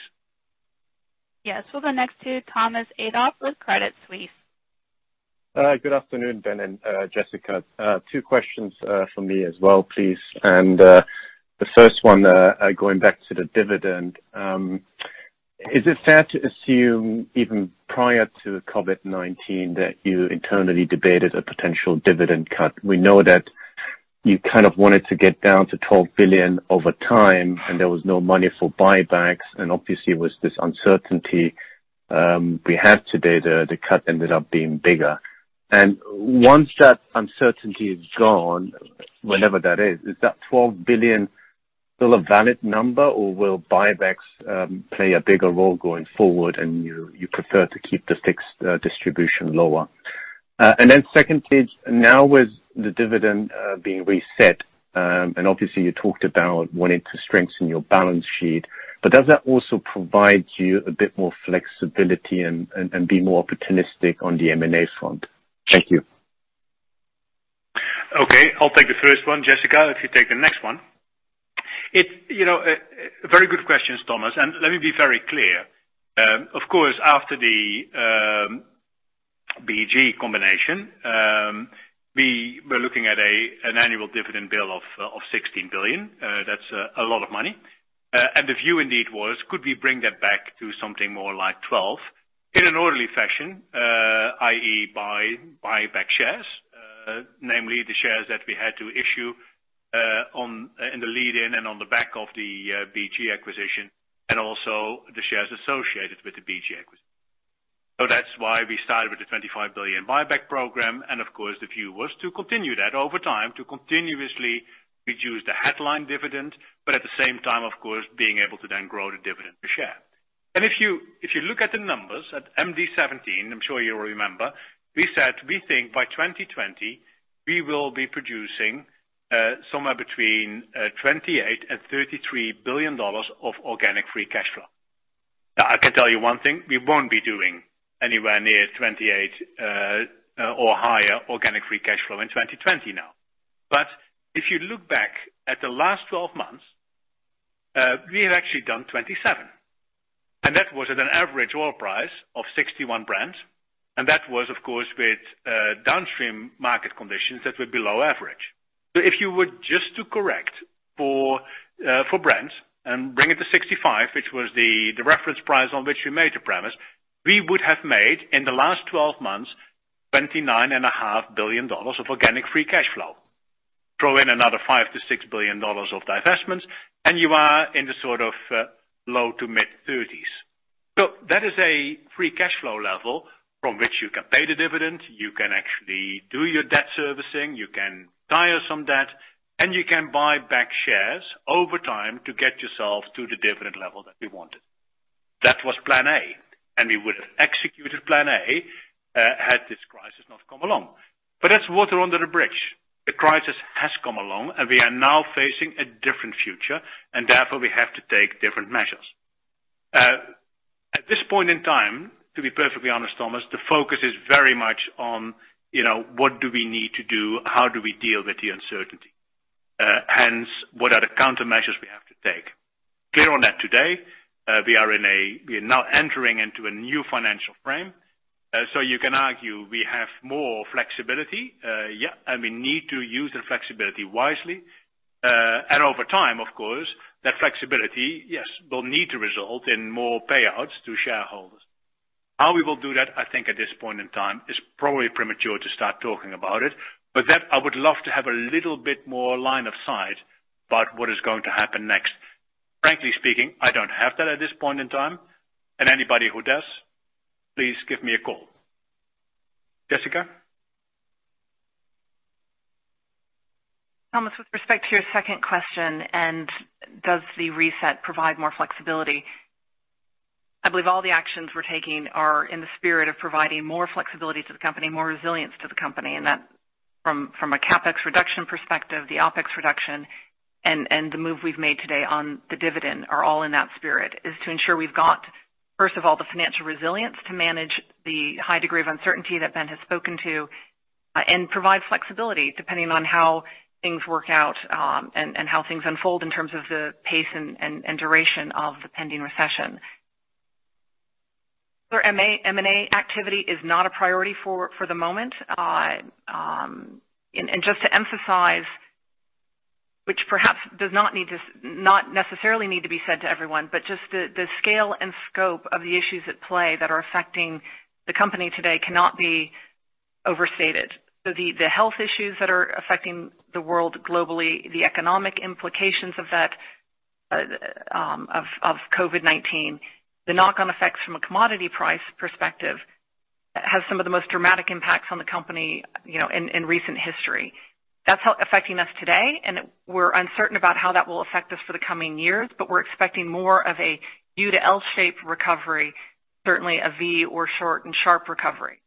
Yes. We'll go next to Thomas Adolff with Credit Suisse. Good afternoon, Ben and Jessica. Two questions from me as well, please. The first one, going back to the dividend. Is it fair to assume, even prior to COVID-19, that you internally debated a potential dividend cut? We know that you kind of wanted to get down to $12 billion over time, and there was no money for buybacks, and obviously with this uncertainty we have today, the cut ended up being bigger. Once that uncertainty is gone, whenever that is that $12 billion still a valid number or will buybacks play a bigger role going forward and you prefer to keep the fixed distribution lower? Then secondly, now with the dividend being reset, and obviously you talked about wanting to strengthen your balance sheet, but does that also provide you a bit more flexibility and be more opportunistic on the M&A front? Thank you. Okay. I'll take the first one. Jessica, if you take the next one. Very good questions, Thomas, and let me be very clear. Of course, after the, BG combination, we were looking at an annual dividend bill of $16 billion. That's a lot of money. The view indeed was, could we bring that back to something more like $12 billion in an orderly fashion, i.e., buy back shares, namely the shares that we had to issue in the lead in and on the back of the BG acquisition and also the shares associated with the BG acquisition. That's why we started with the $25 billion buyback program, and of course, the view was to continue that over time, to continuously reduce the headline dividend, but at the same time, of course, being able to then grow the dividend per share. If you look at the numbers at MD17, I'm sure you'll remember, we said we think by 2020 we will be producing somewhere between $28 billion and $33 billion of organic free cash flow. I can tell you one thing, we won't be doing anywhere near $28 billion or higher organic free cash flow in 2020 now. If you look back at the last 12 months, we have actually done $27 billion, and that was at an average oil price of $61 Brent, and that was of course, with downstream market conditions that were below average. If you were just to correct for Brent and bring it to $65, which was the reference price on which we made the premise, we would have made, in the last 12 months, $29.5 billion of organic free cash flow. Throw in another $5 billion-$6 billion of divestments, you are in the sort of low to mid-30s. That is a free cash flow level from which you can pay the dividend, you can actually do your debt servicing, you can retire some debt, and you can buy back shares over time to get yourself to the dividend level that we wanted. That was plan A, and we would have executed plan A, had this crisis not come along. That's water under the bridge. The crisis has come along, and we are now facing a different future, and therefore we have to take different measures. At this point in time, to be perfectly honest, Thomas, the focus is very much on what do we need to do, how do we deal with the uncertainty. Hence, what are the countermeasures we have to take? Clear on that today. We are now entering into a new financial frame. You can argue we have more flexibility, and we need to use the flexibility wisely. Over time, of course, that flexibility, yes, will need to result in more payouts to shareholders. How we will do that, I think at this point in time, is probably premature to start talking about it. That I would love to have a little bit more line of sight about what is going to happen next. Frankly speaking, I don't have that at this point in time, and anybody who does, please give me a call. Jessica? Thomas, with respect to your second question and does the reset provide more flexibility, I believe all the actions we're taking are in the spirit of providing more flexibility to the company, more resilience to the company, and that from a CapEx reduction perspective, the OpEx reduction, and the move we've made today on the dividend are all in that spirit. Is to ensure we've got, first of all, the financial resilience to manage the high degree of uncertainty that Ben has spoken to and provide flexibility depending on how things work out, and how things unfold in terms of the pace and duration of the pending recession. M&A activity is not a priority for the moment. Just to emphasize, which perhaps does not necessarily need to be said to everyone, but just the scale and scope of the issues at play that are affecting the company today cannot be overstated. The health issues that are affecting the world globally, the economic implications of that, of COVID-19, the knock-on effects from a commodity price perspective, have some of the most dramatic impacts on the company in recent history. That's affecting us today, and we're uncertain about how that will affect us for the coming years, but we're expecting more of a U to L-shaped recovery, certainly a V or short and sharp recovery.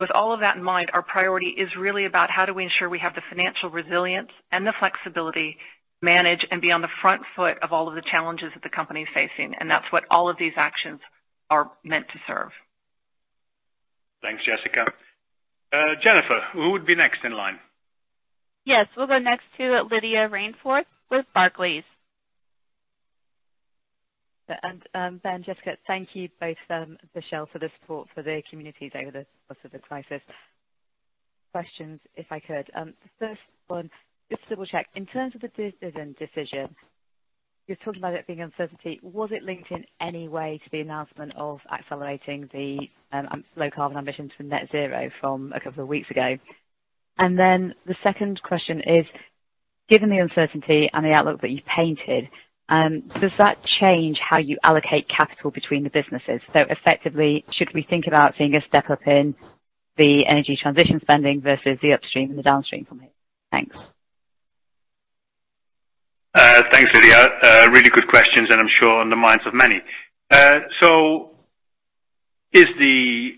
With all of that in mind, our priority is really about how do we ensure we have the financial resilience and the flexibility to manage and be on the front foot of all of the challenges that the company is facing, and that's what all of these actions are meant to serve. Thanks, Jessica. Jennifer, who would be next in line? Yes. We'll go next to Lydia Rainforth with Barclays. Ben, Jessica, thank you both and to Shell for the support for their communities over the course of the crisis. Questions, if I could. The first one, just to double-check. In terms of the dividend decision, you were talking about there being uncertainty. Was it linked in any way to the announcement of accelerating the low-carbon ambitions from net-zero from a couple of weeks ago? The second question is, given the uncertainty and the outlook that you've painted, does that change how you allocate capital between the businesses? Effectively, should we think about seeing a step-up in the energy transition spending versus the upstream and the downstream from here. Thanks. Thanks, Lydia. Really good questions, and I'm sure on the minds of many. Is the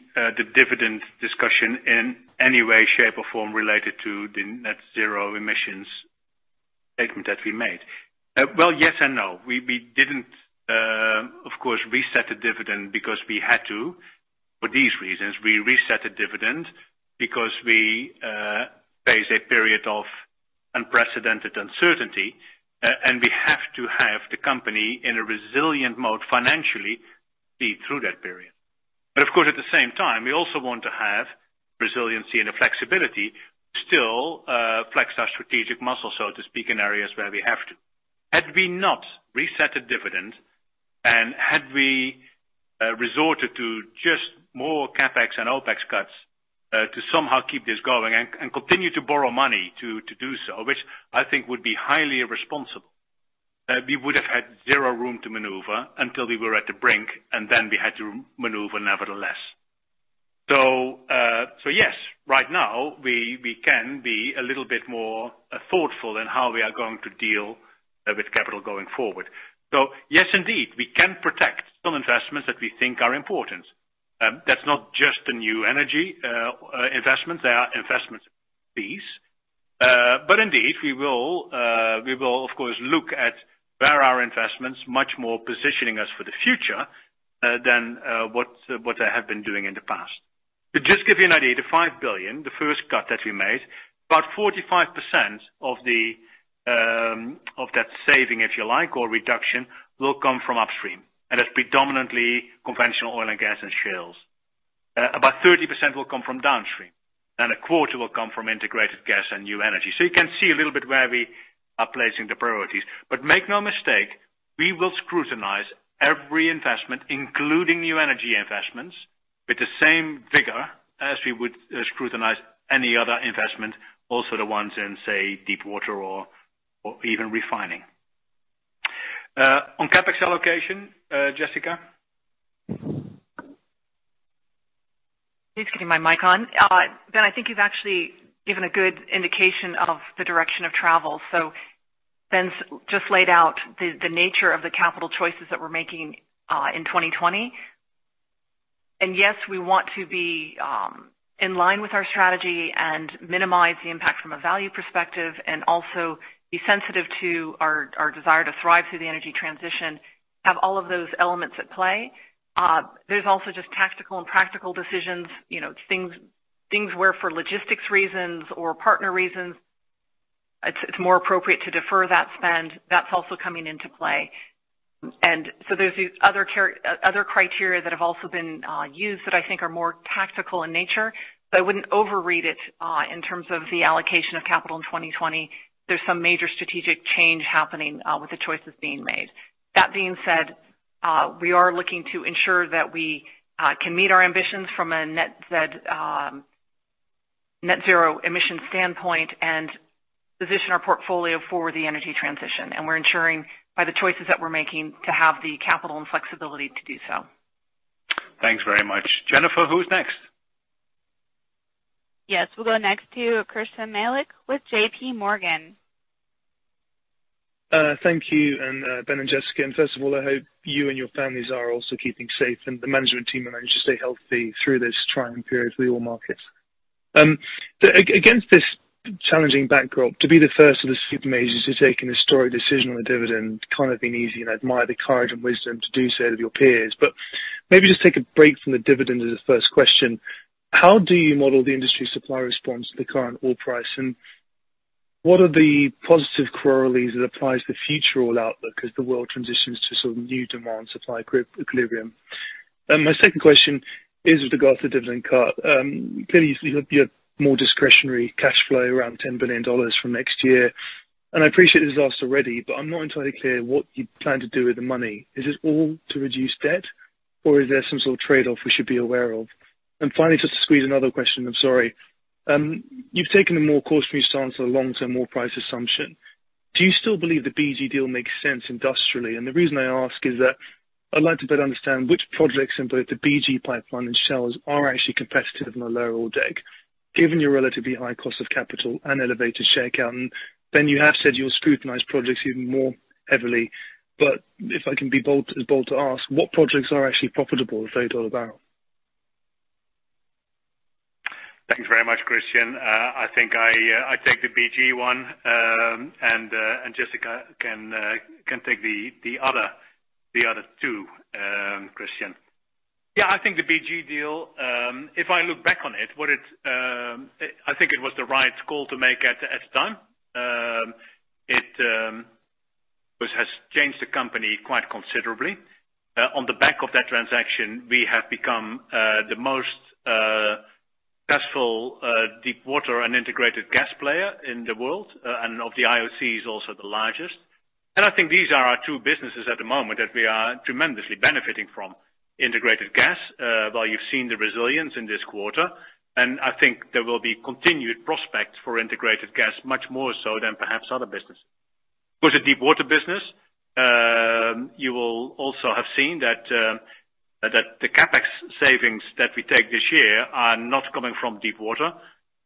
dividend discussion in any way, shape, or form related to the net-zero emissions statement that we made? Well, yes and no. We didn't, of course, reset the dividend because we had to, for these reasons. We reset the dividend because we face a period of unprecedented uncertainty, and we have to have the company in a resilient mode financially be through that period. Of course, at the same time, we also want to have resiliency and the flexibility to still flex our strategic muscle, so to speak, in areas where we have to. Had we not reset a dividend, had we resorted to just more CapEx and OpEx cuts to somehow keep this going and continue to borrow money to do so, which I think would be highly irresponsible, we would have had zero room to maneuver until we were at the brink, then we had to maneuver nevertheless. Yes, right now, we can be a little bit more thoughtful in how we are going to deal with capital going forward. Yes, indeed, we can protect some investments that we think are important. That's not just the New Energy investments. There are investment fees. Indeed, we will of course, look at where our investments much more positioning us for the future than what they have been doing in the past. To just give you an idea, the $5 billion, the first cut that we made, about 45% of that saving, if you like, or reduction, will come from Upstream. It's predominantly conventional oil and gas and shales. About 30% will come from Downstream, and 25% will come from Integrated Gas and New Energy. You can see a little bit where we are placing the priorities. Make no mistake, we will scrutinize every investment, including New Energy investments, with the same vigor as we would scrutinize any other investment, also the ones in, say, deep water or even refining. On CapEx allocation, Jessica? Just getting my mic on. Ben, I think you've actually given a good indication of the direction of travel. Ben's just laid out the nature of the capital choices that we're making in 2020. Yes, we want to be in line with our strategy and minimize the impact from a value perspective, and also be sensitive to our desire to thrive through the energy transition, have all of those elements at play. There's also just tactical and practical decisions, things where for logistics reasons or partner reasons, it's more appropriate to defer that spend. That's also coming into play. There's these other criteria that have also been used that I think are more tactical in nature, but I wouldn't overread it in terms of the allocation of capital in 2020. There's some major strategic change happening with the choices being made. That being said, we are looking to ensure that we can meet our ambitions from a net-zero emission standpoint and position our portfolio for the energy transition. We're ensuring by the choices that we're making to have the capital and flexibility to do so. Thanks very much. Jennifer, who's next? Yes. We'll go next to Christyan Malek with JPMorgan. Thank you, Ben and Jessica. First of all, I hope you and your families are also keeping safe, and the management team manage to stay healthy through this trying period for the oil markets. Against this challenging backdrop, to be the first of the super majors to have taken a historic decision on the dividend can't have been easy, and I admire the courage and wisdom to do so out of your peers. Maybe just take a break from the dividend as a first question. How do you model the industry supply response to the current oil price, and what are the positive corollaries that applies to future oil outlook as the world transitions to sort of new demand-supply equilibrium? My second question is with regard to the dividend cut. Clearly, you have more discretionary cash flow around $10 billion for next year, and I appreciate it's lost already, but I'm not entirely clear what you plan to do with the money. Is this all to reduce debt, or is there some sort of trade-off we should be aware of? Finally, just to squeeze another question, I'm sorry. You've taken a more cautious response to the long-term oil price assumption. Do you still believe the BG deal makes sense industrially? The reason I ask is that I'd like to better understand which projects in both the BG pipeline and Shell's are actually competitive in a lower oil deck, given your relatively high cost of capital and elevated share count. Ben, you have said you'll scrutinize projects even more heavily, but if I can be bold to ask, what projects are actually profitable with $30/bbl? Thanks very much, Christyan. I think I take the BG one, and Jessica can take the other two, Christyan. I think the BG deal, if I look back on it, I think it was the right call to make at the time. It has changed the company quite considerably. On the back of that transaction, we have become the most successful deep water and integrated gas player in the world, and of the IOCs, also the largest. I think these are our two businesses at the moment that we are tremendously benefiting from integrated gas, while you've seen the resilience in this quarter. I think there will be continued prospects for integrated gas, much more so than perhaps other businesses. Was it deep-water business? You will also have seen that the CapEx savings that we take this year are not coming from deep-water.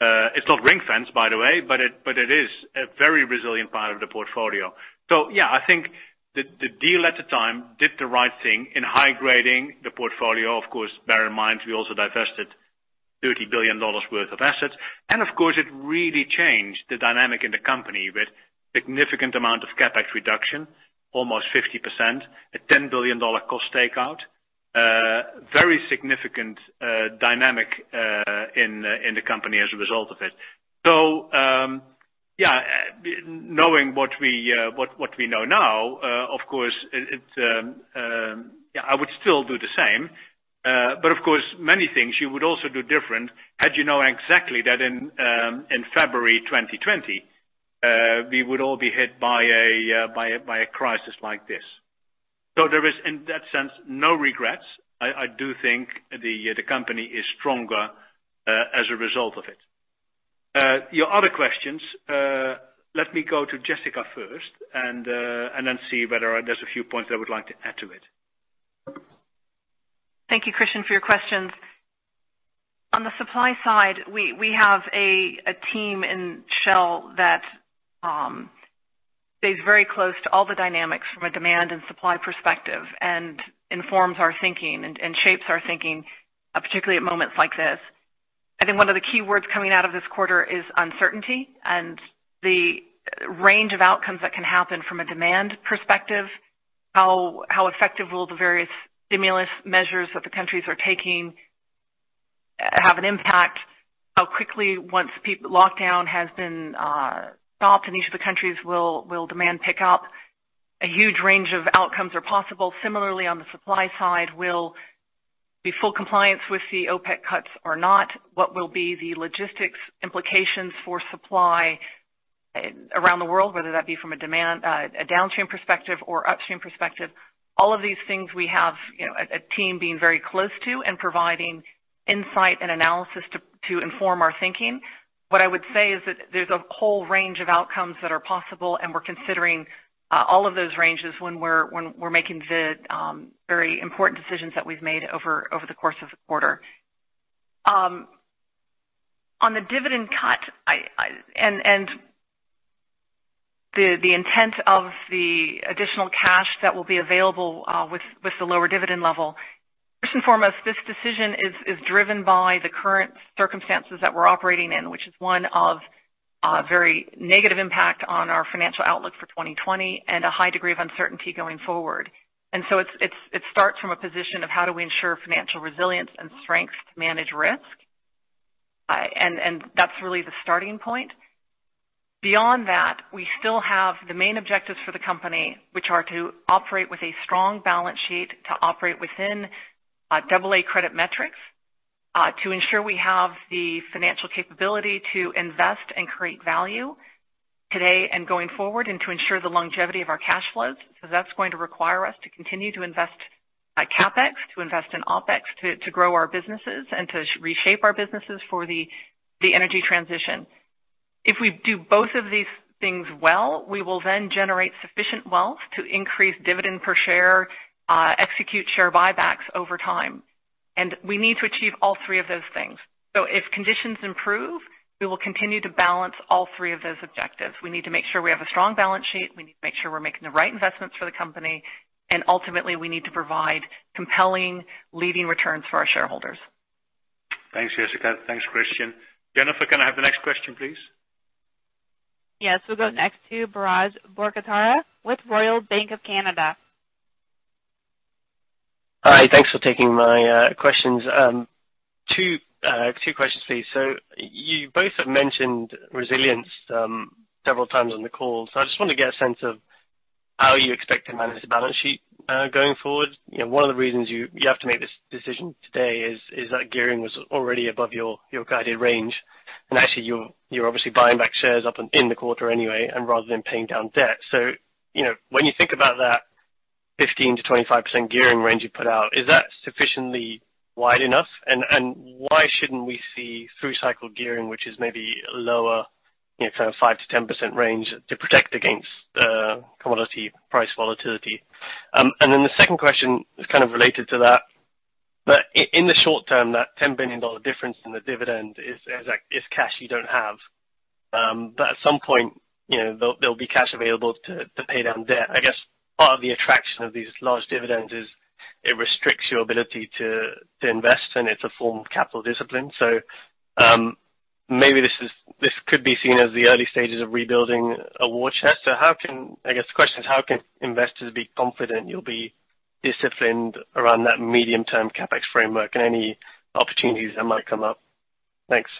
It's not ring-fence, by the way, but it is a very resilient part of the portfolio. Yeah, I think the deal at the time did the right thing in high grading the portfolio. Of course, bear in mind, we also divested $30 billion worth of assets. Of course, it really changed the dynamic in the company with significant amount of CapEx reduction, almost 50%, a $10 billion cost takeout. Very significant dynamic in the company as a result of it. Knowing what we know now, of course, I would still do the same. Of course, many things you would also do different had you known exactly that in February 2020, we would all be hit by a crisis like this. There is, in that sense, no regrets. I do think the company is stronger as a result of it. Your other questions, let me go to Jessica first and then see whether there's a few points I would like to add to it. Thank you, Christyan, for your questions. On the supply side, we have a team in Shell that stays very close to all the dynamics from a demand and supply perspective and informs our thinking and shapes our thinking, particularly at moments like this. I think one of the key words coming out of this quarter is uncertainty and the range of outcomes that can happen from a demand perspective, how effective will the various stimulus measures that the countries are taking have an an impact, how quickly once lockdown has been stopped in each of the countries will demand pick up. A huge range of outcomes are possible. Similarly, on the supply side, will be full compliance with the OPEC cuts or not, what will be the logistics implications for supply around the world, whether that be from a downstream perspective or upstream perspective. All of these things we have a team being very close to and providing insight and analysis to inform our thinking. What I would say is that there's a whole range of outcomes that are possible, and we're considering all of those ranges when we're making the very important decisions that we've made over the course of the quarter. On the dividend cut and the intent of the additional cash that will be available with the lower dividend level, first and foremost, this decision is driven by the current circumstances that we're operating in, which is one of a very negative impact on our financial outlook for 2020 and a high degree of uncertainty going forward. It starts from a position of how do we ensure financial resilience and strength to manage risk. That's really the starting point. Beyond that, we still have the main objectives for the company, which are to operate with a strong balance sheet, to operate within AA credit metrics, to ensure we have the financial capability to invest and create value today and going forward, and to ensure the longevity of our cash flows. That's going to require us to continue to invest at CapEx, to invest in OpEx, to grow our businesses and to reshape our businesses for the energy transition. If we do both of these things well, we will then generate sufficient wealth to increase dividend per share, execute share buybacks over time. We need to achieve all three of those things. If conditions improve, we will continue to balance all three of those objectives. We need to make sure we have a strong balance sheet, we need to make sure we're making the right investments for the company, and ultimately, we need to provide compelling leading returns for our shareholders. Thanks, Jessica. Thanks, Christyan. Jennifer, can I have the next question, please? Yes. We'll go next to Biraj Borkhataria with Royal Bank of Canada. Hi, thanks for taking my questions. Two questions, please. You both have mentioned resilience several times on the call. I just want to get a sense of how you expect to manage the balance sheet going forward. One of the reasons you have to make this decision today is that gearing was already above your guided range. Actually, you're obviously buying back shares often in the quarter anyway and rather than paying down debt. when you think about that 15%-25% gearing range you put out, is that sufficiently wide enough? Why shouldn't we see through cycle gearing, which is maybe lower, kind of 5%-10% range to protect against commodity price volatility? The second question is kind of related to that. in the short term, that $10 billion difference in the dividend is cash you don't have. At some point, there'll be cash available to pay down debt. I guess part of the attraction of these large dividends is it restricts your ability to invest, and it's a form of capital discipline. Maybe this could be seen as the early stages of rebuilding a war chest. I guess the question is how can investors be confident you'll be disciplined around that medium-term CapEx framework and any opportunities that might come up? Thanks.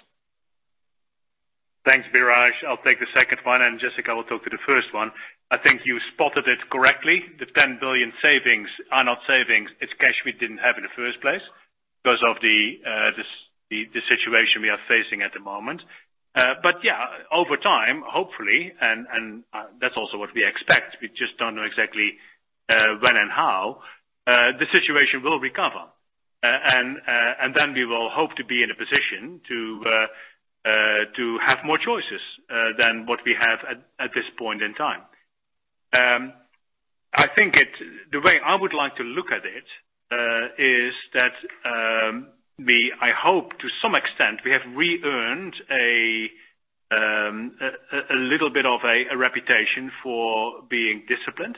Thanks, Biraj. I'll take the second one, and Jessica will talk to the first one. I think you spotted it correctly. The $10 billion savings are not savings. It's cash we didn't have in the first place because of the situation we are facing at the moment. Yeah, over time, hopefully, and that's also what we expect. We just don't know exactly when and how the situation will recover. We will hope to be in a position to have more choices than what we have at this point in time. The way I would like to look at it is that I hope to some extent we have re-earned a little bit of a reputation for being disciplined,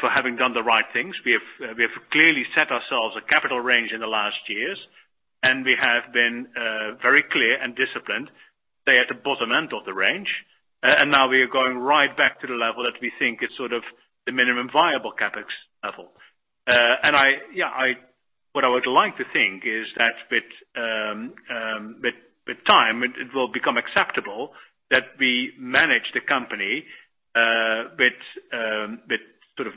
for having done the right things. We have clearly set ourselves a capital range in the last years, and we have been very clear and disciplined, say, at the bottom end of the range. Now we are going right back to the level that we think is sort of the minimum viable CapEx level. What I would like to think is that with time, it will become acceptable that we manage the company with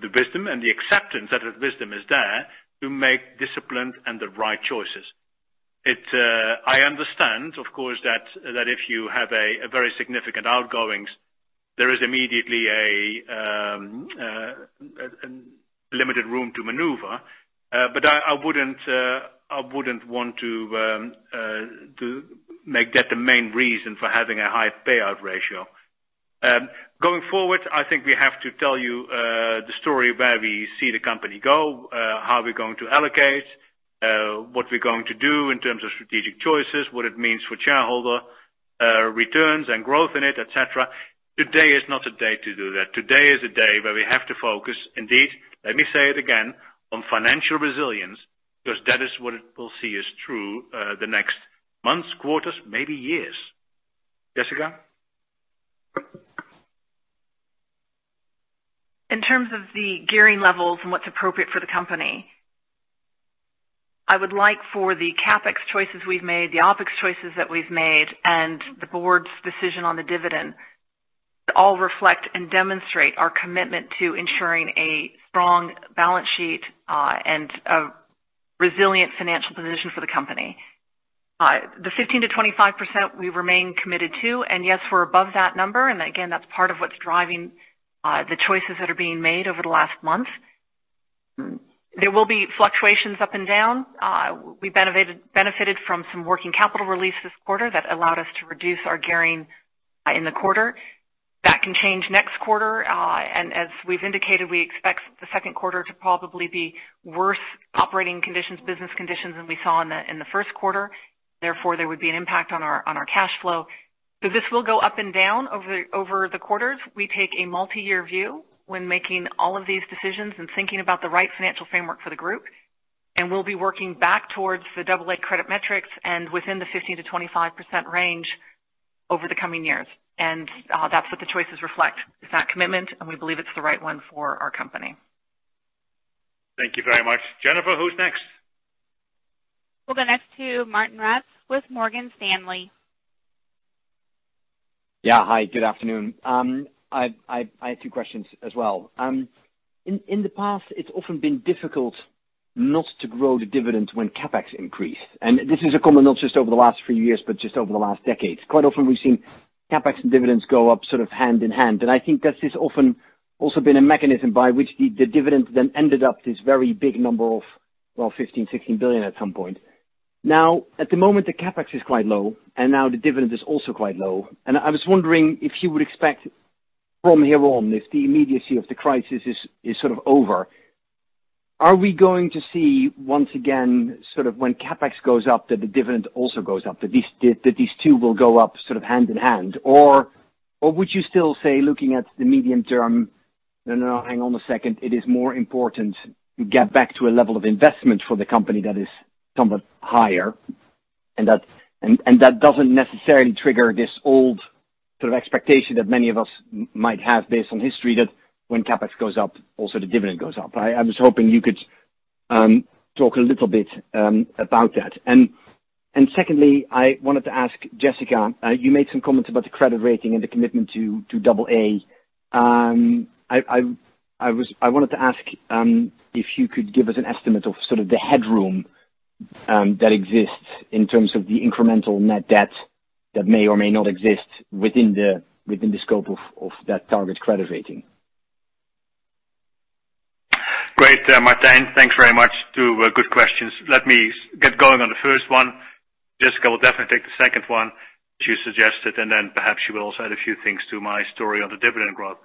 the wisdom and the acceptance that wisdom is there to make disciplined and the right choices. I understand, of course, that if you have a very significant outgoings, there is immediately a limited room to maneuver. I wouldn't want to make that the main reason for having a high payout ratio. Going forward, I think we have to tell you the story where we see the company go, how we're going to allocate, what we're going to do in terms of strategic choices, what it means for shareholder returns and growth in it, et cetera. Today is not a day to do that. Today is a day where we have to focus, indeed, let me say it again, on financial resilience, because that is what we'll see us through the next months, quarters, maybe years. Jessica? In terms of the gearing levels and what's appropriate for the company, I would like for the CapEx choices we've made, the OpEx choices that we've made, and the Board's decision on the dividend to all reflect and demonstrate our commitment to ensuring a strong balance sheet and a resilient financial position for the company. The 15%-25% we remain committed to, and yes, we're above that number, and again, that's part of what's driving the choices that are being made over the last month. There will be fluctuations up and down. We benefited from some working capital release this quarter that allowed us to reduce our gearing in the quarter. That can change next quarter, and as we've indicated, we expect the second quarter to probably be worse operating conditions, business conditions than we saw in the first quarter. Therefore, there would be an impact on our cash flow. This will go up and down over the quarters. We take a multi-year view when making all of these decisions and thinking about the right financial framework for the group. We'll be working back towards the AA credit metrics and within the 15%-25% range over the coming years. That's what the choices reflect. It's that commitment, and we believe it's the right one for our company. Thank you very much. Jennifer, who's next? We'll go next to Martijn Rats with Morgan Stanley. Yeah. Hi, good afternoon. I have two questions as well. In the past, it's often been difficult not to grow the dividend when CapEx increase. This is common not just over the last few years, but just over the last decades. Quite often, we've seen CapEx and dividends go up sort of hand in hand. I think that this often also been a mechanism by which the dividend then ended up this very big number of, well, $15 billion, $16 billion at some point. At the moment, the CapEx is quite low, and now the dividend is also quite low. I was wondering if you would expect from here on, if the immediacy of the crisis is sort of over, are we going to see, once again, sort of when CapEx goes up, that the dividend also goes up, that these two will go up sort of hand in hand? Would you still say, looking at the medium term, no, hang on a second, it is more important to get back to a level of investment for the company that is somewhat higher, and that doesn't necessarily trigger this old sort of expectation that many of us might have based on history, that when CapEx goes up, also the dividend goes up. I was hoping you could talk a little bit about that. Secondly, I wanted to ask Jessica, you made some comments about the credit rating and the commitment to AA. I wanted to ask if you could give us an estimate of sort of the headroom that exists in terms of the incremental net debt that may or may not exist within the scope of that target credit rating? Great. Martijn, thanks very much. Two good questions. Let me get going on the first one. Jessica will definitely take the second one, she suggested, and then perhaps she will also add a few things to my story on the dividend growth.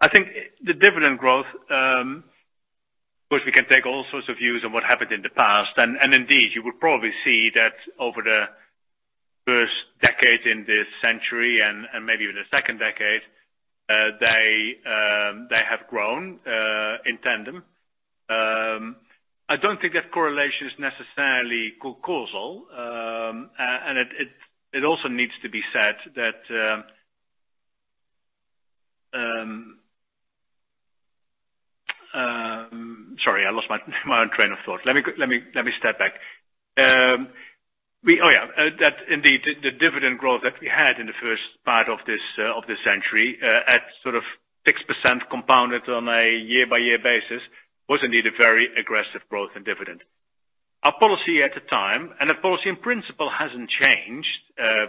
I think the dividend growth, of course, we can take all sorts of views on what happened in the past. Indeed, you would probably see that over the first decade in this century and maybe even the second decade, they have grown in tandem. I don't think that correlation is necessarily causal. It also needs to be said that. Sorry, I lost my own train of thought. Let me step back. That indeed, the dividend growth that we had in the first part of this century, at sort of 6% compounded on a year-by-year basis, was indeed a very aggressive growth in dividend. Our policy at the time, and the policy in principle hasn't changed.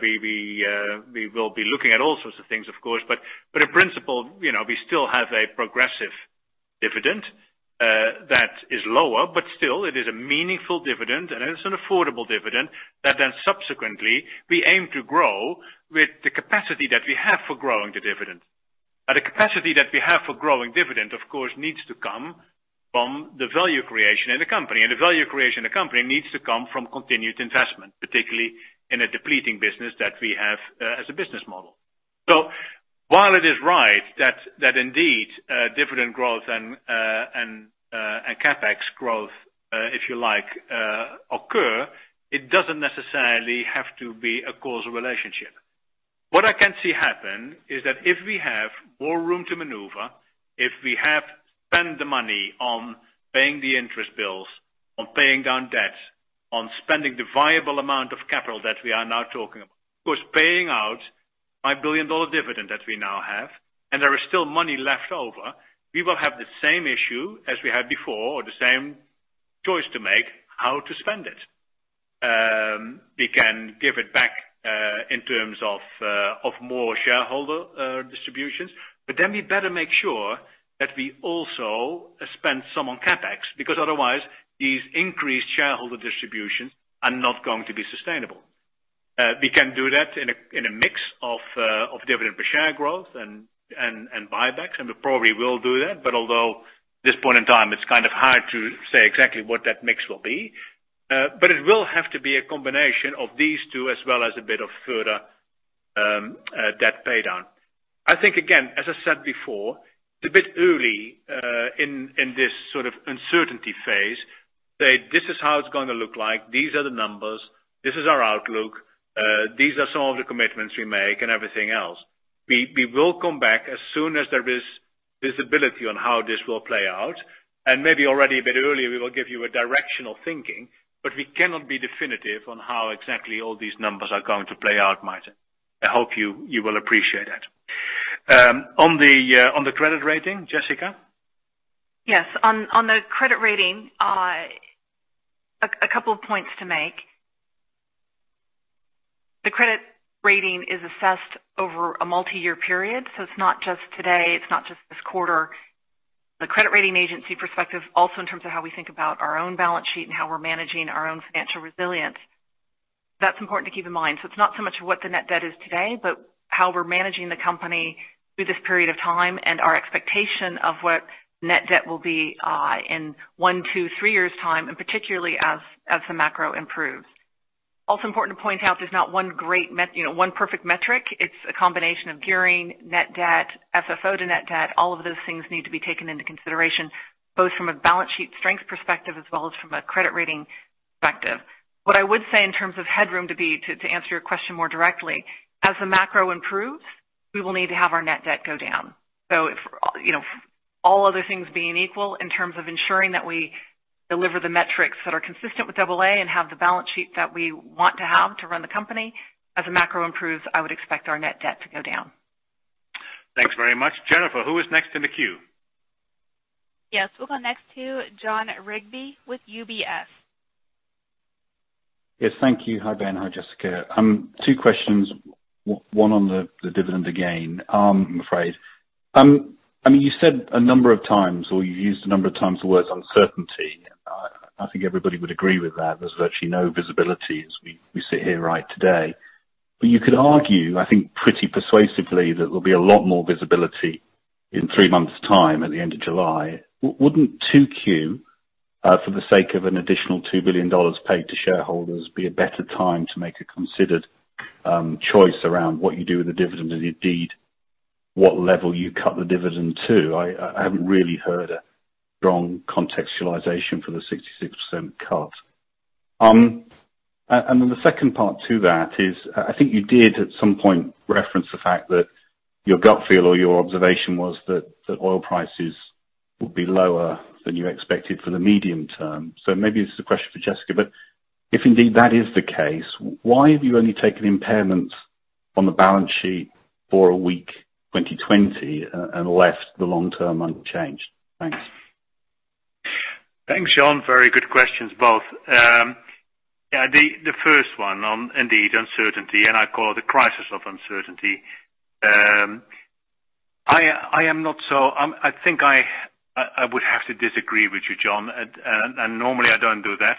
We will be looking at all sorts of things, of course, but in principle, we still have a progressive dividend that is lower, but still it is a meaningful dividend and it is an affordable dividend that then subsequently we aim to grow with the capacity that we have for growing the dividend. The capacity that we have for growing dividend, of course, needs to come from the value creation in the company, and the value creation in the company needs to come from continued investment, particularly in a depleting business that we have as a business model. While it is right that indeed, dividend growth and CapEx growth, if you like, occur, it doesn't necessarily have to be a causal relationship. What I can see happen is that if we have more room to maneuver, if we have spent the money on paying the interest bills, on paying down debt, on spending the viable amount of capital that we are now talking about, who is paying out $5 billion dividend that we now have, and there is still money left over, we will have the same issue as we had before or the same choice to make how to spend it. We can give it back, in terms of more shareholder distributions. We better make sure that we also spend some on CapEx, because otherwise these increased shareholder distributions are not going to be sustainable. We can do that in a mix of dividend per share growth and buybacks. We probably will do that, although this point in time it's hard to say exactly what that mix will be. It will have to be a combination of these two as well as a bit of further debt pay down. I think, again, as I said before, it's a bit early in this sort of uncertainty phase, say this is how it's going to look like. These are the numbers. This is our outlook. These are some of the commitments we make and everything else. We will come back as soon as there is visibility on how this will play out. Maybe already a bit earlier, we will give you a directional thinking. We cannot be definitive on how exactly all these numbers are going to play out, Martijn. I hope you will appreciate that. On the credit rating, Jessica? Yes. On the credit rating, a couple of points to make. The credit rating is assessed over a multi-year period, so it's not just today, it's not just this quarter. The credit rating agency perspective, also in terms of how we think about our own balance sheet and how we're managing our own financial resilience, that's important to keep in mind. It's not so much what the net debt is today, but how we're managing the company through this period of time and our expectation of what net debt will be in one, two, three years' time, and particularly as the macro improves. Important to point out, there's not one perfect metric. It's a combination of gearing, net debt, FFO to net debt. All of those things need to be taken into consideration, both from a balance sheet strength perspective as well as from a credit rating perspective. What I would say in terms of headroom to answer your question more directly, as the macro improves, we will need to have our net debt go down. If all other things being equal in terms of ensuring that we deliver the metrics that are consistent with AA and have the balance sheet that we want to have to run the company, as the macro improves, I would expect our net debt to go down. Thanks very much. Jennifer, who is next in the queue? Yes. We'll go next to Jon Rigby with UBS. Yes. Thank you. Hi, Ben. Hi, Jessica. Two questions. One on the dividend again, I'm afraid. You said a number of times, or you used a number of times the words uncertainty. I think everybody would agree with that. There's virtually no visibility as we sit here too today. You could argue, I think, pretty persuasively, that there'll be a lot more visibility in three months' time at the end of July. Wouldn't 2Q, for the sake of an additional $2 billion paid to shareholders, be a better time to make a considered choice around what you do with the dividend and indeed? What level you cut the dividend to? I haven't really heard a strong contextualization for the 66% cut. The second part to that is, I think you did at some point reference the fact that your gut feel or your observation was that oil prices would be lower than you expected for the medium term. Maybe this is a question for Jessica, but if indeed that is the case, why have you only taken impairments on the balance sheet for a weak 2020, and left the long-term unchanged? Thanks. Thanks, Jon. Very good questions both. The first one on indeed, uncertainty, I call it the crisis of uncertainty. I think I would have to disagree with you, Jon, and normally I don't do that.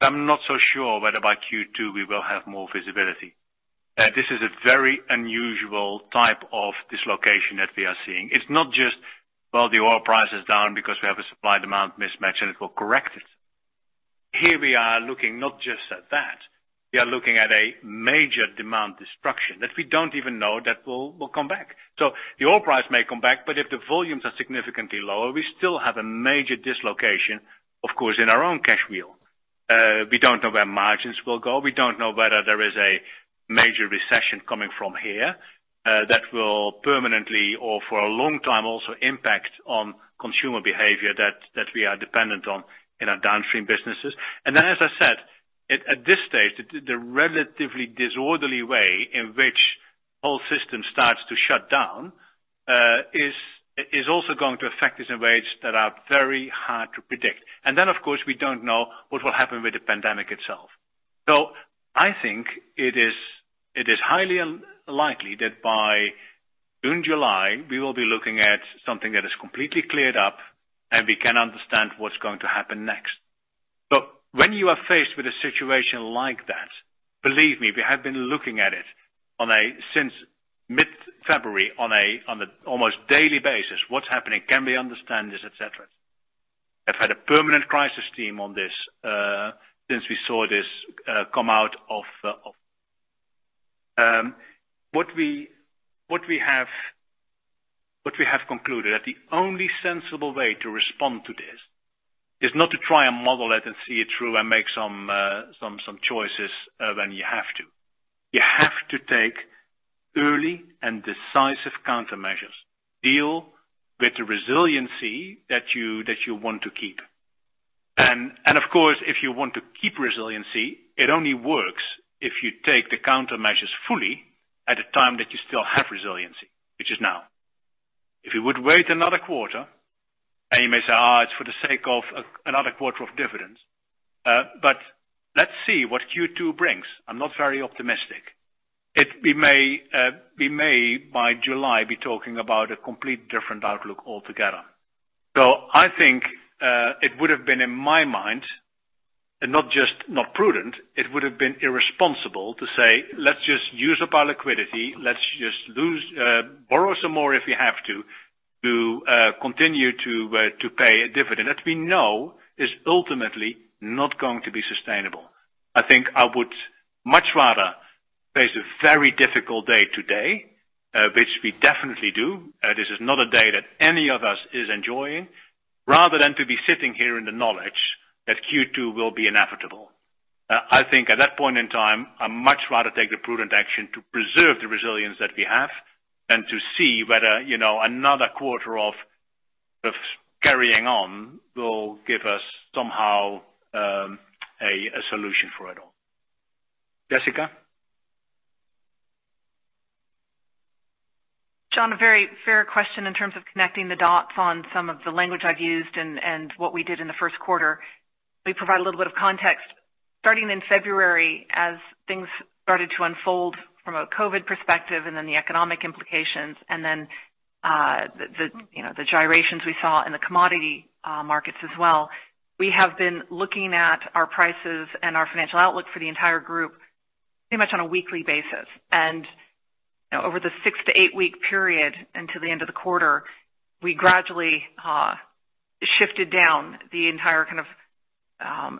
I'm not so sure whether by Q2 we will have more visibility. This is a very unusual type of dislocation that we are seeing. It's not just, well, the oil price is down because we have a supply demand mismatch and it will correct it. Here we are looking not just at that. We are looking at a major demand destruction that we don't even know that will come back. The oil price may come back, but if the volumes are significantly lower, we still have a major dislocation, of course, in our own cash wheel. We don't know where margins will go. We don't know whether there is a major recession coming from here that will permanently or for a long time also impact on consumer behavior that we are dependent on in our downstream businesses. As I said, at this stage, the relatively disorderly way in which the whole system starts to shut down is also going to affect us in ways that are very hard to predict. Of course, we don't know what will happen with the pandemic itself. I think it is highly likely that by June, July, we will be looking at something that is completely cleared up, and we can understand what's going to happen next. When you are faced with a situation like that, believe me, we have been looking at it since mid-February on an almost daily basis, what's happening, can we understand this, et cetera? I've had a permanent crisis team on this, since we saw this come out of. What we have concluded, that the only sensible way to respond to this is not to try and model it and see it through and make some choices when you have to. You have to take early and decisive countermeasures. Deal with the resiliency that you want to keep. Of course, if you want to keep resiliency, it only works if you take the countermeasures fully at a time that you still have resiliency, which is now. If you would wait another quarter, and you may say, it's for the sake of another quarter of dividends. Let's see what Q2 brings. I'm not very optimistic. We may, by July, be talking about a complete different outlook altogether. I think, it would've been in my mind, and not just not prudent, it would've been irresponsible to say, let's just use up our liquidity. Let's just borrow some more if we have to continue to pay a dividend that we know is ultimately not going to be sustainable. I think I would much rather face a very difficult day today, which we definitely do. This is not a day that any of us is enjoying, rather than to be sitting here in the knowledge that Q2 will be inevitable. I think at that point in time, I'd much rather take the prudent action to preserve the resilience that we have and to see whether another quarter of carrying on will give us somehow a solution for it all. Jessica? Jon, a very fair question in terms of connecting the dots on some of the language I've used and what we did in the first quarter. Let me provide a little bit of context. Starting in February, as things started to unfold from a COVID-19 perspective, and then the economic implications, and then the gyrations we saw in the commodity markets as well, we have been looking at our prices and our financial outlook for the entire group pretty much on a weekly basis. Over the six to eight-week period until the end of the quarter, we gradually shifted down the entire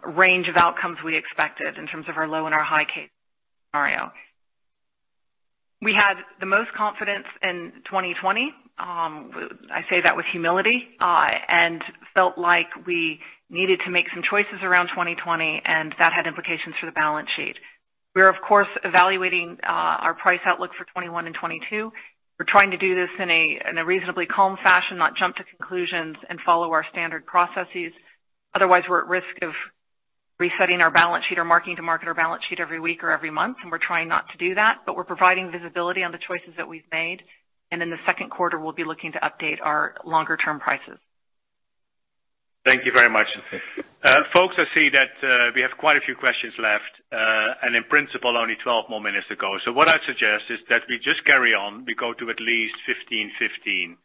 range of outcomes we expected in terms of our low and our high case scenario. We had the most confidence in 2020. I say that with humility, and felt like we needed to make some choices around 2020, and that had implications for the balance sheet. We're of course evaluating our price outlook for 2021 and 2022. We're trying to do this in a reasonably calm fashion, not jump to conclusions, and follow our standard processes. Otherwise, we're at risk of resetting our balance sheet or marking to market our balance sheet every week or every month, and we're trying not to do that. We're providing visibility on the choices that we've made. In the second quarter, we'll be looking to update our longer-term prices. Thank you very much. Folks, I see that we have quite a few questions left. In principle, only 12 more minutes to go. What I'd suggest is that we just carry on. We go to at least 3:15 P.M.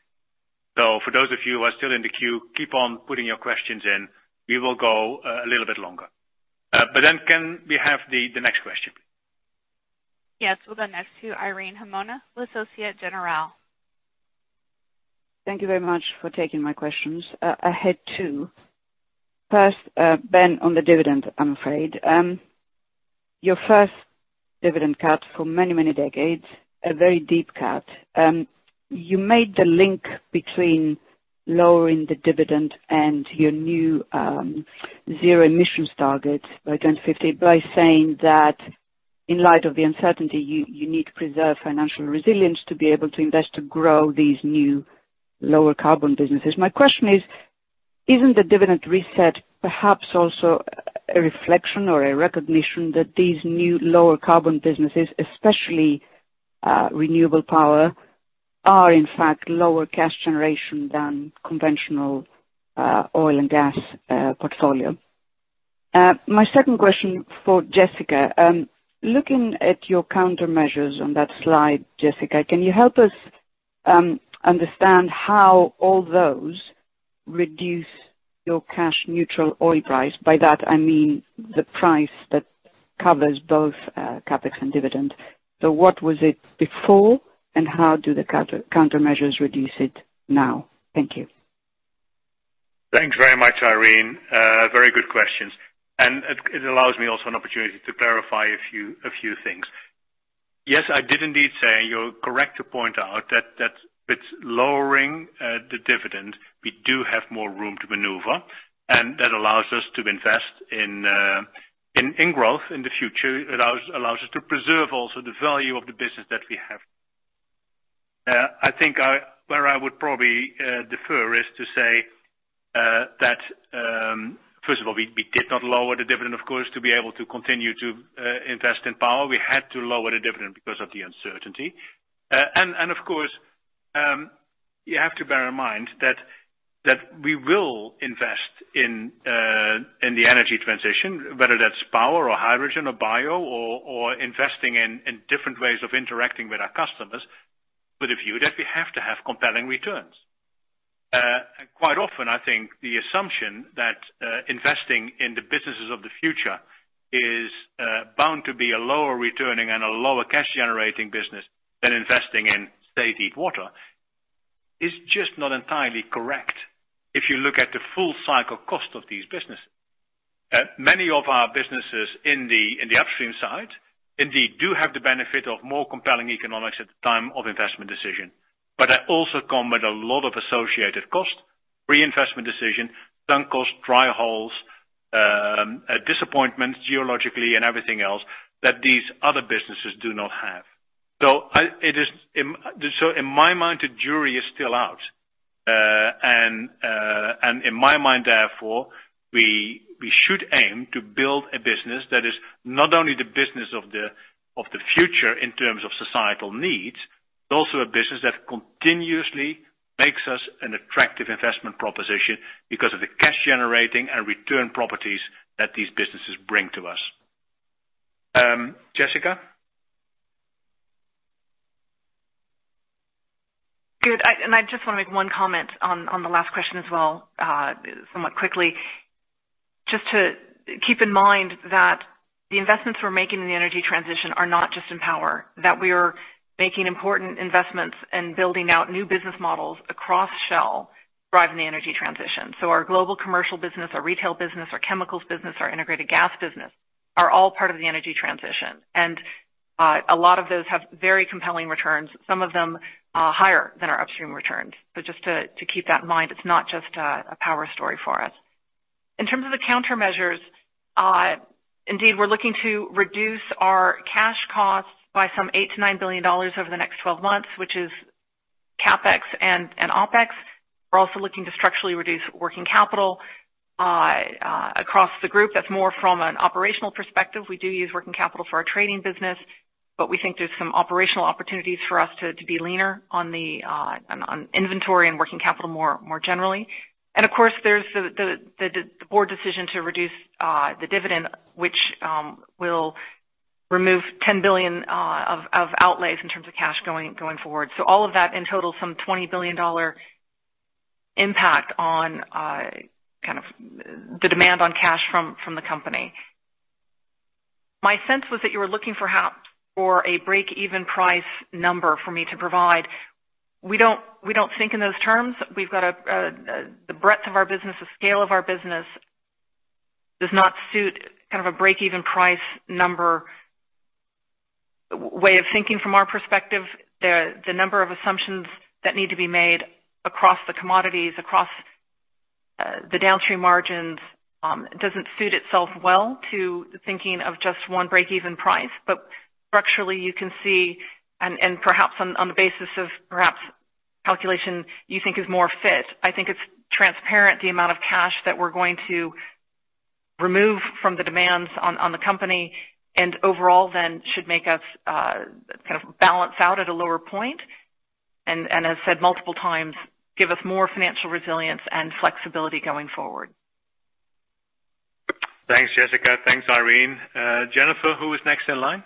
For those of you who are still in the queue, keep on putting your questions in. We will go a little bit longer. Can we have the next question? Yes. We'll go next to Irene Himona with Societe Generale. Thank you very much for taking my questions. I had two. First, Ben, on the dividend, I'm afraid. Your first dividend cut for many decades, a very deep cut. You made the link between lowering the dividend and your new-zero emissions target by 2050 by saying that in light of the uncertainty, you need to preserve financial resilience to be able to invest to grow these new lower carbon businesses. My question is, isn't the dividend reset perhaps also a reflection or a recognition that these new lower carbon businesses, especially renewable power, are in fact lower cash generation than conventional oil and gas portfolio? My second question for Jessica. Looking at your countermeasures on that slide, Jessica, can you help us understand how all those reduce your cash neutral oil price? By that, I mean the price that covers both CapEx and dividends. What was it before, and how do the countermeasures reduce it now? Thank you. Thanks very much, Irene. Very good questions. It allows me also an opportunity to clarify a few things. Yes, I did indeed say, and you're correct to point out, that with lowering the dividend, we do have more room to maneuver, and that allows us to invest in growth in the future. It allows us to preserve also the value of the business that we have. I think where I would probably defer is to say that. First of all, we did not lower the dividend, of course, to be able to continue to invest in power. We had to lower the dividend because of the uncertainty. Of course, you have to bear in mind that we will invest in the energy transition, whether that's power or hydrogen or bio or investing in different ways of interacting with our customers, with a view that we have to have compelling returns. Quite often, I think the assumption that investing in the businesses of the future is bound to be a lower returning and a lower cash-generating business than investing in, say, deep water, is just not entirely correct if you look at the full cycle cost of these businesses. Many of our businesses in the upstream side indeed do have the benefit of more compelling economics at the time of investment decision. That also come with a lot of associated cost, reinvestment decision, sunk cost, dry holes, disappointments geologically and everything else that these other businesses do not have. In my mind, the jury is still out. In my mind, therefore, we should aim to build a business that is not only the business of the future in terms of societal needs, but also a business that continuously makes us an attractive investment proposition because of the cash-generating and return properties that these businesses bring to us. Jessica? Good. I just want to make one comment on the last question as well, somewhat quickly. Just to keep in mind that the investments we're making in the energy transition are not just in power, that we are making important investments in building out new business models across Shell driving the energy transition. Our Global Commercial business, our Retail business, our Chemicals business, our Integrated Gas business are all part of the energy transition. A lot of those have very compelling returns, some of them are higher than our upstream returns. Just to keep that in mind, it's not just a power story for us. In terms of the countermeasures, indeed, we're looking to reduce our cash costs by some $8 billion-$9 billion over the next 12 months, which is CapEx and OpEx. We're also looking to structurally reduce working capital, across the group. That's more from an operational perspective. We do use working capital for our trading business, but we think there's some operational opportunities for us to be leaner on inventory and working capital more generally. Of course, there's the Board decision to reduce the dividend, which will remove $10 billion of outlays in terms of cash going forward. All of that in total, some $20 billion impact on the demand on cash from the company. My sense was that you were looking for a break-even price number for me to provide. We don't think in those terms. The breadth of our business, the scale of our business does not suit a break-even price number way of thinking from our perspective. The number of assumptions that need to be made across the commodities, across the downstream margins, doesn't suit itself well to the thinking of just one break-even price. Structurally, you can see, and perhaps on the basis of perhaps calculation you think is more fit. I think it's transparent the amount of cash that we're going to remove from the demands on the company and overall then should make us balance out at a lower point. As said multiple times, give us more financial resilience and flexibility going forward. Thanks, Jessica. Thanks, Irene. Jennifer, who is next in line?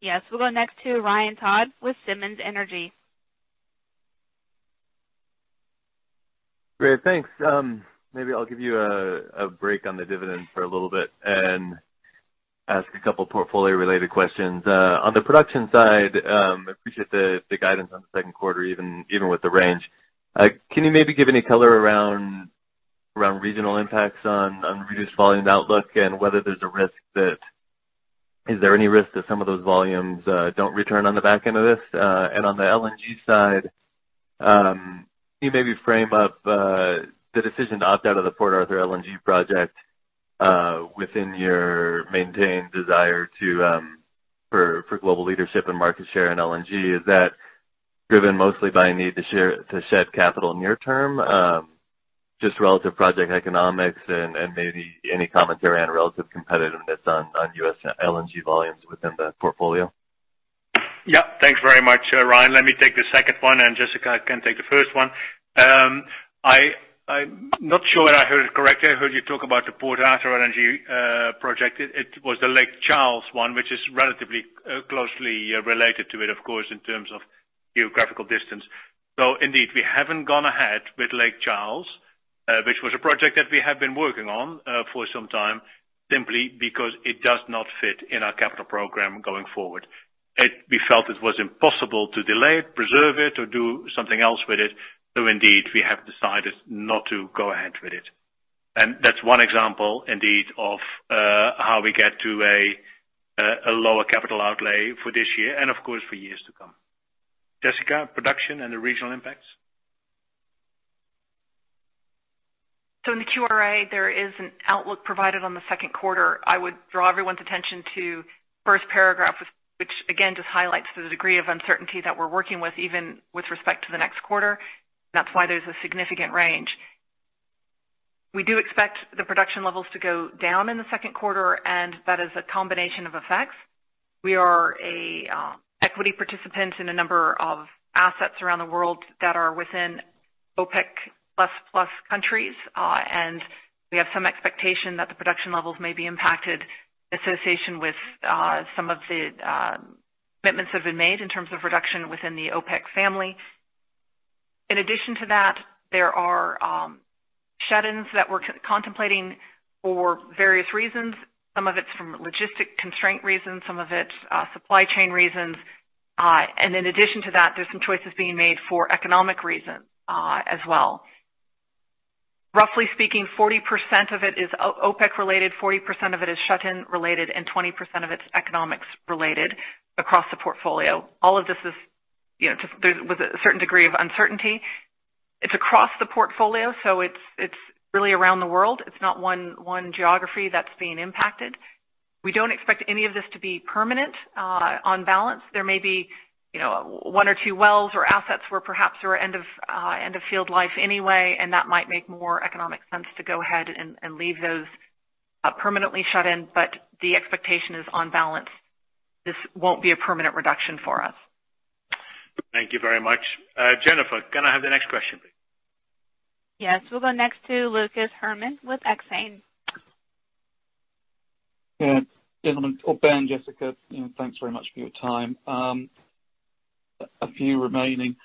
Yes. We'll go next to Ryan Todd with Simmons Energy. Great. Thanks. Maybe I'll give you a break on the dividend for a little bit and ask a couple portfolio-related questions. On the production side, I appreciate the guidance on the second quarter, even with the range. Can you maybe give any color around regional impacts on reduced volume outlook and whether is there any risk that some of those volumes don't return on the back end of this? On the LNG side, can you maybe frame up the decision to opt out of the Port Arthur LNG project within your maintained desire for global leadership and market share in LNG? Is that driven mostly by a need to shed capital near term, just relative project economics and maybe any commentary on relative competitiveness on U.S. LNG volumes within the portfolio? Yeah. Thanks very much, Ryan. Let me take the second one, and Jessica can take the first one. I'm not sure I heard it correctly. I heard you talk about the Port Arthur LNG project. It was the Lake Charles one, which is relatively closely related to it, of course, in terms of geographical distance. Indeed, we haven't gone ahead with Lake Charles, which was a project that we have been working on for some time, simply because it does not fit in our capital program going forward. We felt it was impossible to delay it, preserve it, or do something else with it. Indeed, we have decided not to go ahead with it. That's one example, indeed, of how we get to a lower capital outlay for this year and of course, for years to come. Jessica, production and the regional impacts. In the QRA, there is an outlook provided on the second quarter. I would draw everyone's attention to first paragraph, which again, just highlights the degree of uncertainty that we're working with, even with respect to the next quarter. That's why there's a significant range. We do expect the production levels to go down in the second quarter, and that is a combination of effects. We are an equity participant in a number of assets around the world that are within OPEC+ countries. We have some expectation that the production levels may be impacted association with some of the commitments that have been made in terms of reduction within the OPEC family. In addition to that, there are shut-ins that we're contemplating for various reasons. Some of it's from logistic constraint reasons, some of it's supply chain reasons. In addition to that, there's some choices being made for economic reasons as well. Roughly speaking, 40% of it is OPEC related, 40% of it is shut-in related, and 20% of it is economics related across the portfolio. All of this is with a certain degree of uncertainty. It's across the portfolio, so it's really around the world. It's not one geography that's being impacted. We don't expect any of this to be permanent. On balance, there may be one or two wells or assets where perhaps who are end of field life anyway, and that might make more economic sense to go ahead and leave those permanently shut in. The expectation is on balance. This won't be a permanent reduction for us. Thank you very much. Jennifer, can I have the next question, please? Yes. We'll go next to Lucas Herrmann with Exane. Yeah. Gentlemen, or Ben, Jessica, thanks very much for your time. A few remaining.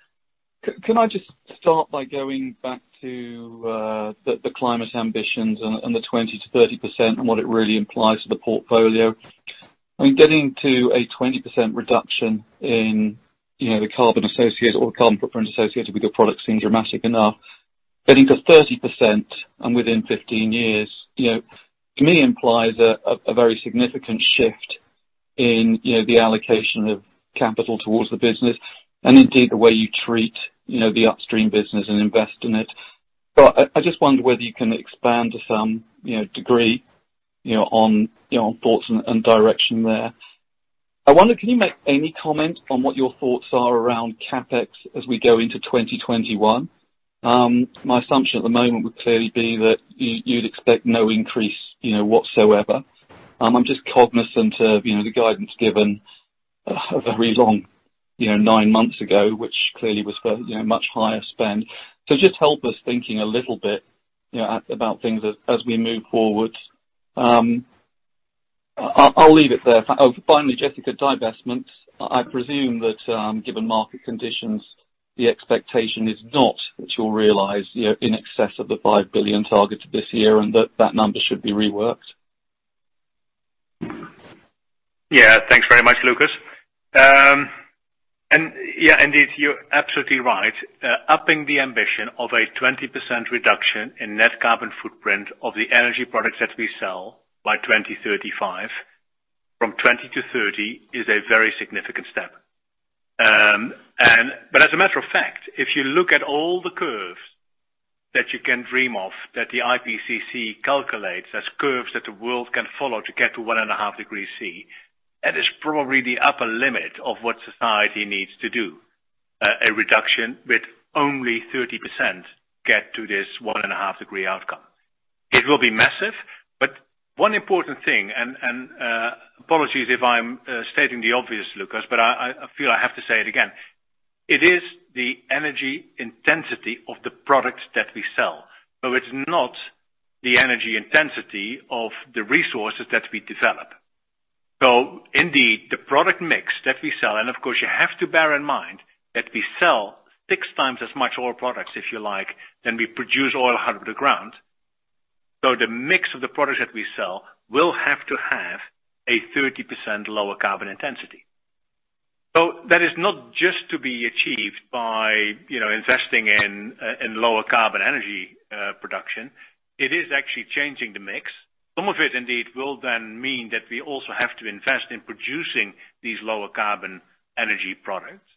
Can I just start by going back to the climate ambitions and the 20%-30% and what it really implies for the portfolio? I mean, getting to a 20% reduction in the carbon associated or net carbon footprint associated with your products seem dramatic enough. Getting to 30% and within 15 years to me implies a very significant shift in the allocation of capital towards the business, and indeed, the way you treat the Upstream business and invest in it. I just wonder whether you can expand to some degree on thoughts and direction there. I wonder, can you make any comment on what your thoughts are around CapEx as we go into 2021? My assumption at the moment would clearly be that you'd expect no increase whatsoever. I'm just cognizant of the guidance given a very long nine months ago, which clearly was for much higher spend. Just help us thinking a little bit about things as we move forward. I'll leave it there. Finally, Jessica, divestments. I presume that given market conditions, the expectation is not that you'll realize in excess of the $5 billion targets this year and that that number should be reworked? Thanks very much, Lucas. Indeed, you're absolutely right. Upping the ambition of a 20% reduction in net carbon footprint of the energy products that we sell by 2035 from 20%-30% is a very significant step. As a matter of fact, if you look at all the curves that you can dream of, that the IPCC calculates as curves that the world can follow to get to 1.5 degrees Celsius, that is probably the upper limit of what society needs to do. A reduction with only 30% get to this 1.5 degrees outcome. It will be massive, one important thing, apologies if I'm stating the obvious, Lucas, I feel I have to say it again. It is the energy intensity of the products that we sell. It's not the energy intensity of the resources that we develop. Indeed, the product mix that we sell, and of course, you have to bear in mind that we sell 6x as much oil products, if you like, than we produce oil out of the ground. The mix of the products that we sell will have to have a 30% lower carbon intensity. That is not just to be achieved by investing in lower carbon energy production. It is actually changing the mix. Some of it, indeed, will then mean that we also have to invest in producing these lower carbon energy products.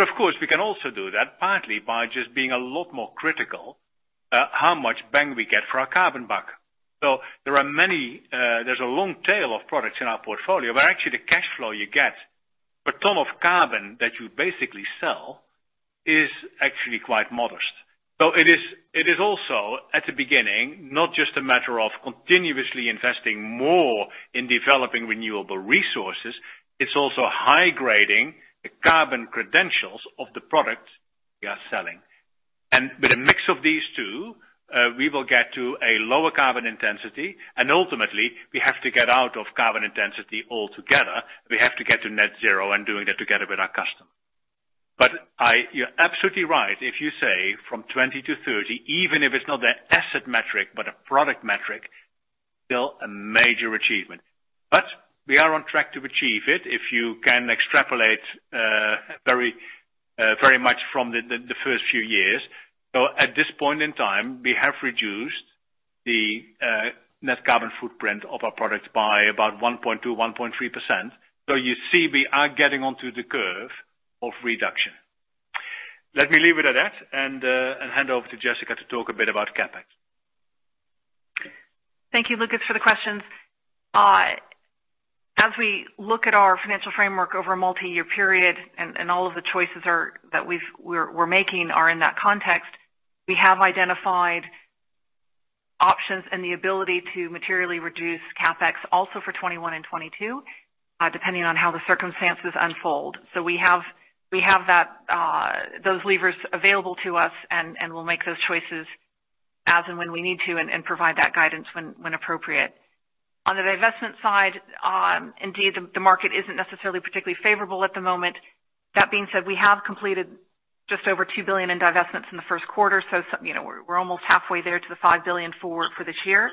Of course, we can also do that partly by just being a lot more critical how much bang we get for our carbon buck. There's a long tail of products in our portfolio where actually the cash flow you get per ton of carbon that you basically sell is actually quite modest. It is also at the beginning, not just a matter of continuously investing more in developing renewable resources, it's also high-grading the carbon credentials of the product we are selling. With a mix of these two, we will get to a lower carbon intensity, and ultimately, we have to get out of carbon intensity altogether. We have to get to net-zero and doing that together with our customer. You're absolutely right if you say from 20%-30%, even if it's not an asset metric but a product metric, still a major achievement. We are on track to achieve it, if you can extrapolate very much from the first few years. At this point in time, we have reduced the net carbon footprint of our products by about 1.2%, 1.3%. You see we are getting onto the curve of reduction. Let me leave it at that and hand over to Jessica to talk a bit about CapEx. Thank you, Lucas, for the questions. As we look at our financial framework over a multi-year period, and all of the choices that we're making are in that context. We have identified options and the ability to materially reduce CapEx also for 2021 and 2022, depending on how the circumstances unfold. We have those levers available to us, and we'll make those choices as and when we need to and provide that guidance when appropriate. On the divestment side, indeed, the market isn't necessarily particularly favorable at the moment. That being said, we have completed just over $2 billion in divestments in the first quarter, so we're almost halfway there to the $5 billion for this year.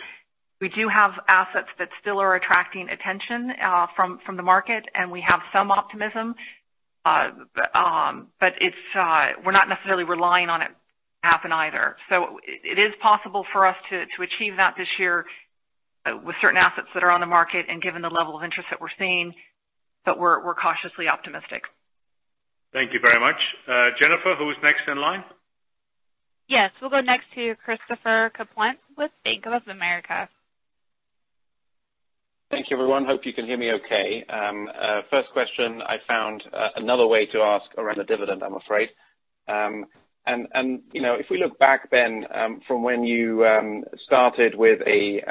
We do have assets that still are attracting attention from the market, and we have some optimism. We're not necessarily relying on it to happen either. It is possible for us to achieve that this year with certain assets that are on the market and given the level of interest that we're seeing, but we're cautiously optimistic. Thank you very much. Jennifer, who is next in line? Yes. We'll go next to Christopher Kuplent with Bank of America. Thank you, everyone. Hope you can hear me okay. First question, I found another way to ask around the dividend, I'm afraid. If we look back then from when you started with a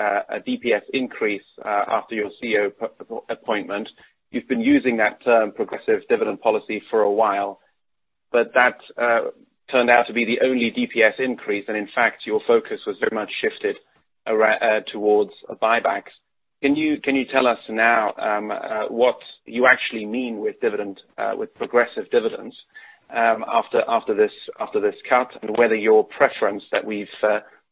DPS increase after your CEO appointment, you've been using that term progressive dividend policy for a while, but that turned out to be the only DPS increase, and in fact, your focus was very much shifted towards buybacks. Can you tell us now what you actually mean with progressive dividends after this cut, and whether your preference that we've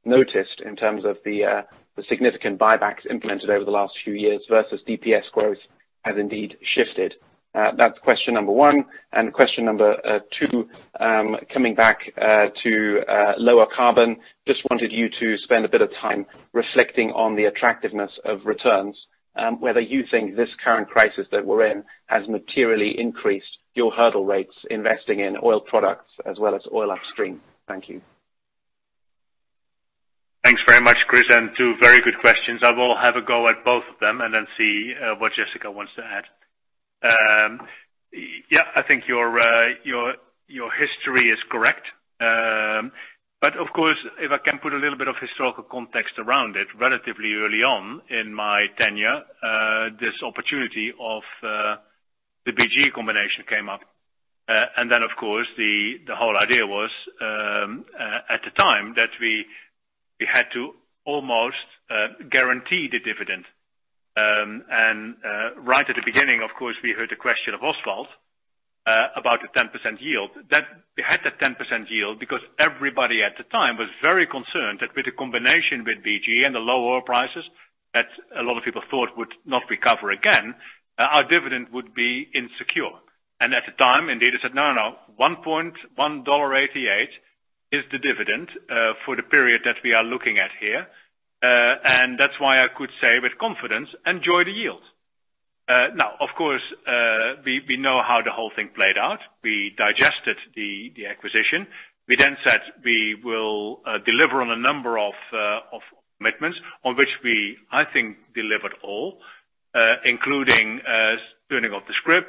noticed in terms of the significant buybacks implemented over the last few years versus DPS growth has indeed shifted? That's question number one. Question number two, coming back to lower carbon, just wanted you to spend a bit of time reflecting on the attractiveness of returns, whether you think this current crisis that we are in has materially increased your hurdle rates investing in oil products as well as oil Upstream? Thank you. Thanks very much, Chris, and two very good questions. I will have a go at both of them and then see what Jessica wants to add. Yeah, I think your history is correct. Of course, if I can put a little bit of historical context around it, relatively early on in my tenure, this opportunity of the BG combination came up. Of course, the whole idea was, at the time that we had to almost guarantee the dividend. Right at the beginning, of course, we heard the question of Oswald about a 10% yield. We had that 10% yield because everybody at the time was very concerned that with the combination with BG and the low oil prices that a lot of people thought would not recover again, our dividend would be insecure. At the time, indeed, I said, no, no, $1.88 is the dividend for the period that we are looking at here. That's why I could say with confidence, enjoy the yield. Of course, we know how the whole thing played out. We digested the acquisition. We then said we will deliver on a number of commitments on which we, I think, delivered all, including turning off the scrip,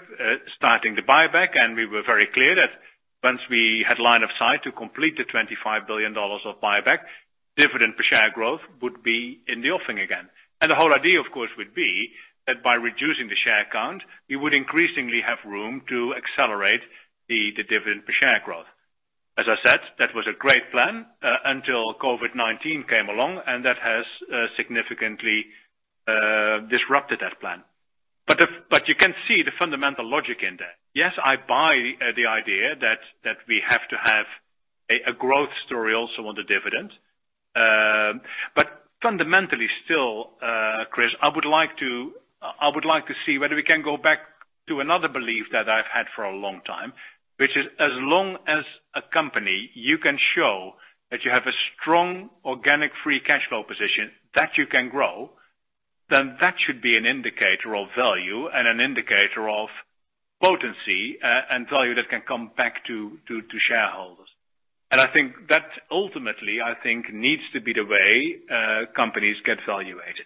starting the buyback, and we were very clear that once we had line of sight to complete the $25 billion of buyback, dividend per share growth would be in the offing again. The whole idea, of course, would be that by reducing the share count, we would increasingly have room to accelerate the dividend per share growth. As I said, that was a great plan until COVID-19 came along, and that has significantly disrupted that plan. You can see the fundamental logic in that. Yes, I buy the idea that we have to have a growth story also on the dividend. Fundamentally still, Chris, I would like to see whether we can go back to another belief that I've had for a long time, which is as long as a company, you can show that you have a strong organic free cash flow position that you can grow, then that should be an indicator of value and an indicator of potency and value that can come back to shareholders. I think that ultimately, I think needs to be the way companies get valuated.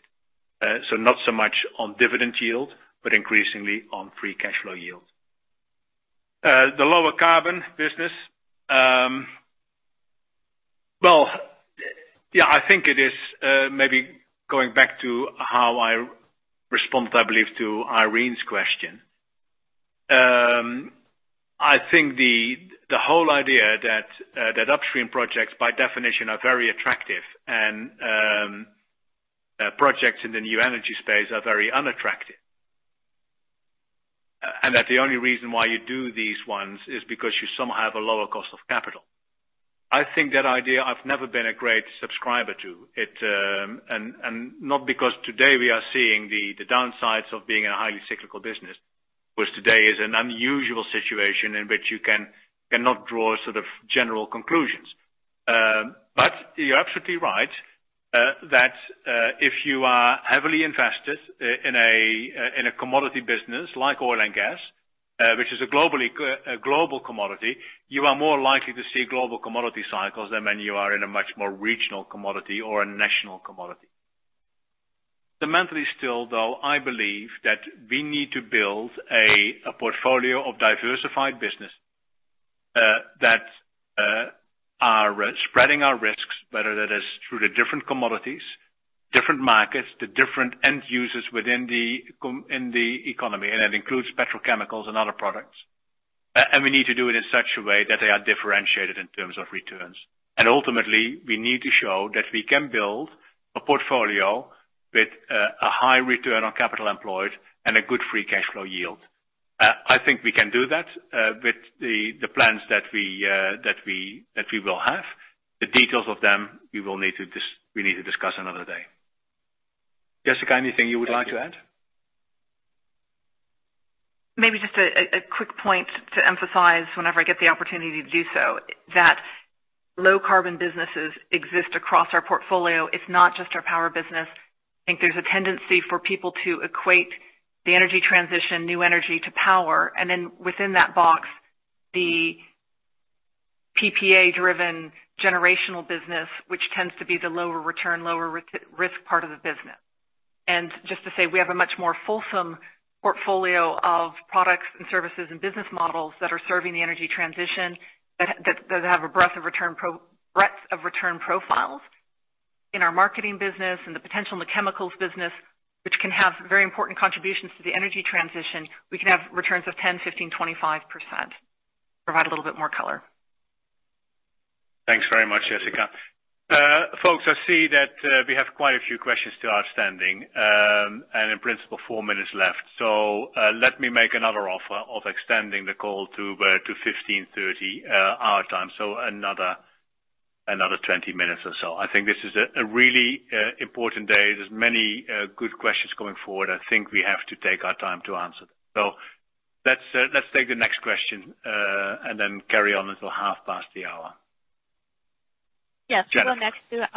Not so much on dividend yield, but increasingly on free cash flow yield. The lower carbon business. Well, yeah, I think it is maybe going back to how I responded, I believe, to Irene's question. I think the whole idea that Upstream projects, by definition, are very attractive, and projects in the New Energy space are very unattractive. That the only reason why you do these ones is because you somehow have a lower cost of capital. I think that idea, I've never been a great subscriber to. Not because today we are seeing the downsides of being in a highly cyclical business, which today is an unusual situation in which you cannot draw sort of general conclusions. You're absolutely right, that if you are heavily invested in a commodity business like oil and gas, which is a global commodity, you are more likely to see global commodity cycles than when you are in a much more regional commodity or a national commodity. Fundamentally still, though, I believe that we need to build a portfolio of diversified business that are spreading our risks, whether that is through the different commodities, different markets, the different end users within the economy, and that includes petrochemicals and other products. We need to do it in such a way that they are differentiated in terms of returns. Ultimately, we need to show that we can build a portfolio with a high return on capital employed and a good free cash flow yield. I think we can do that with the plans that we will have. The details of them, we need to discuss another day. Jessica, anything you would like to add? Maybe just a quick point to emphasize whenever I get the opportunity to do so, that low carbon businesses exist across our portfolio. It's not just our power business. I think there's a tendency for people to equate the energy transition, new energy to power, and then within that box, the PPA-driven generational business, which tends to be the lower return, lower risk part of the business. Just to say, we have a much more fulsome portfolio of products and services and business models that are serving the energy transition, that have a breadth of return profiles in our marketing business and the potential in the chemicals business, which can have very important contributions to the energy transition. We can have returns of 10%, 15%, 25%. Provide a little bit more color. Thanks very much, Jessica. Folks, I see that we have quite a few questions still outstanding, and in principle, four minutes left. Let me make another offer of extending the call to 3:30 P.M. our time, so another 20 minutes or so. I think this is a really important day. There's many good questions coming forward. I think we have to take our time to answer them. Let's take the next question, and then carry on until half past the hour. Yes. We go next to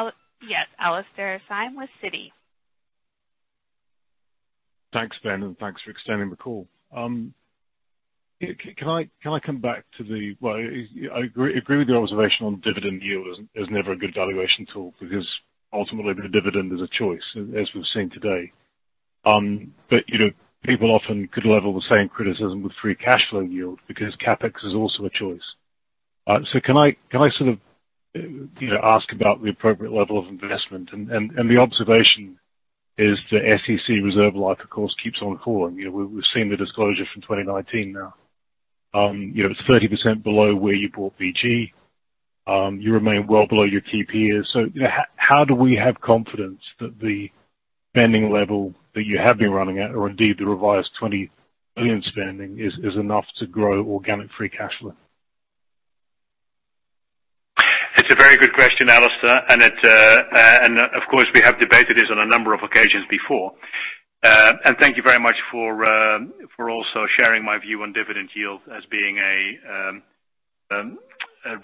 Alastair Syme with Citi. Thanks, Ben, and thanks for extending the call. Well, I agree with your observation on dividend yield is never a good valuation tool because ultimately the dividend is a choice, as we've seen today. People often could level the same criticism with free cash flow yield because CapEx is also a choice. Can I ask about the appropriate level of investment? The observation is the SEC reserve life, of course, keeps on falling. We've seen the disclosure from 2019 now. It's 30% below where you bought BG. You remain well below your key peers. How do we have confidence that the spending level that you have been running at, or indeed the revised $20 billion spending, is enough to grow organic free cash flow? It's a very good question, Alastair. Of course, we have debated this on a number of occasions before. Thank you very much for also sharing my view on dividend yield as being a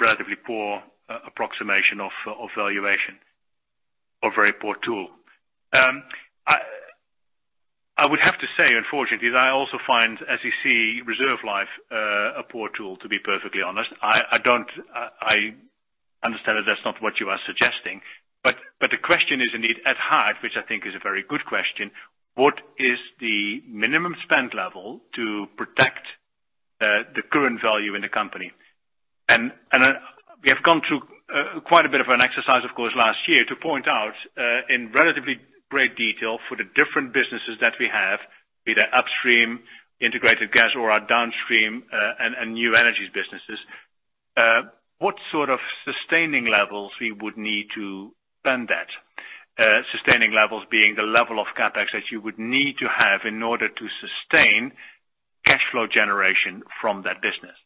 relatively poor approximation of valuation or very poor tool. I would have to say, unfortunately, that I also find SEC reserve life a poor tool, to be perfectly honest. I understand that's not what you are suggesting, the question is indeed at heart, which I think is a very good question, what is the minimum spend level to protect the current value in the company? We have gone through quite a bit of an exercise, of course, last year to point out, in relatively great detail for the different businesses that we have, be they Upstream, Integrated Gas or our Downstream and New Energies businesses. What sort of sustaining levels we would need to spend that? Sustaining levels being the level of CapEx that you would need to have in order to sustain cash flow generation from that business.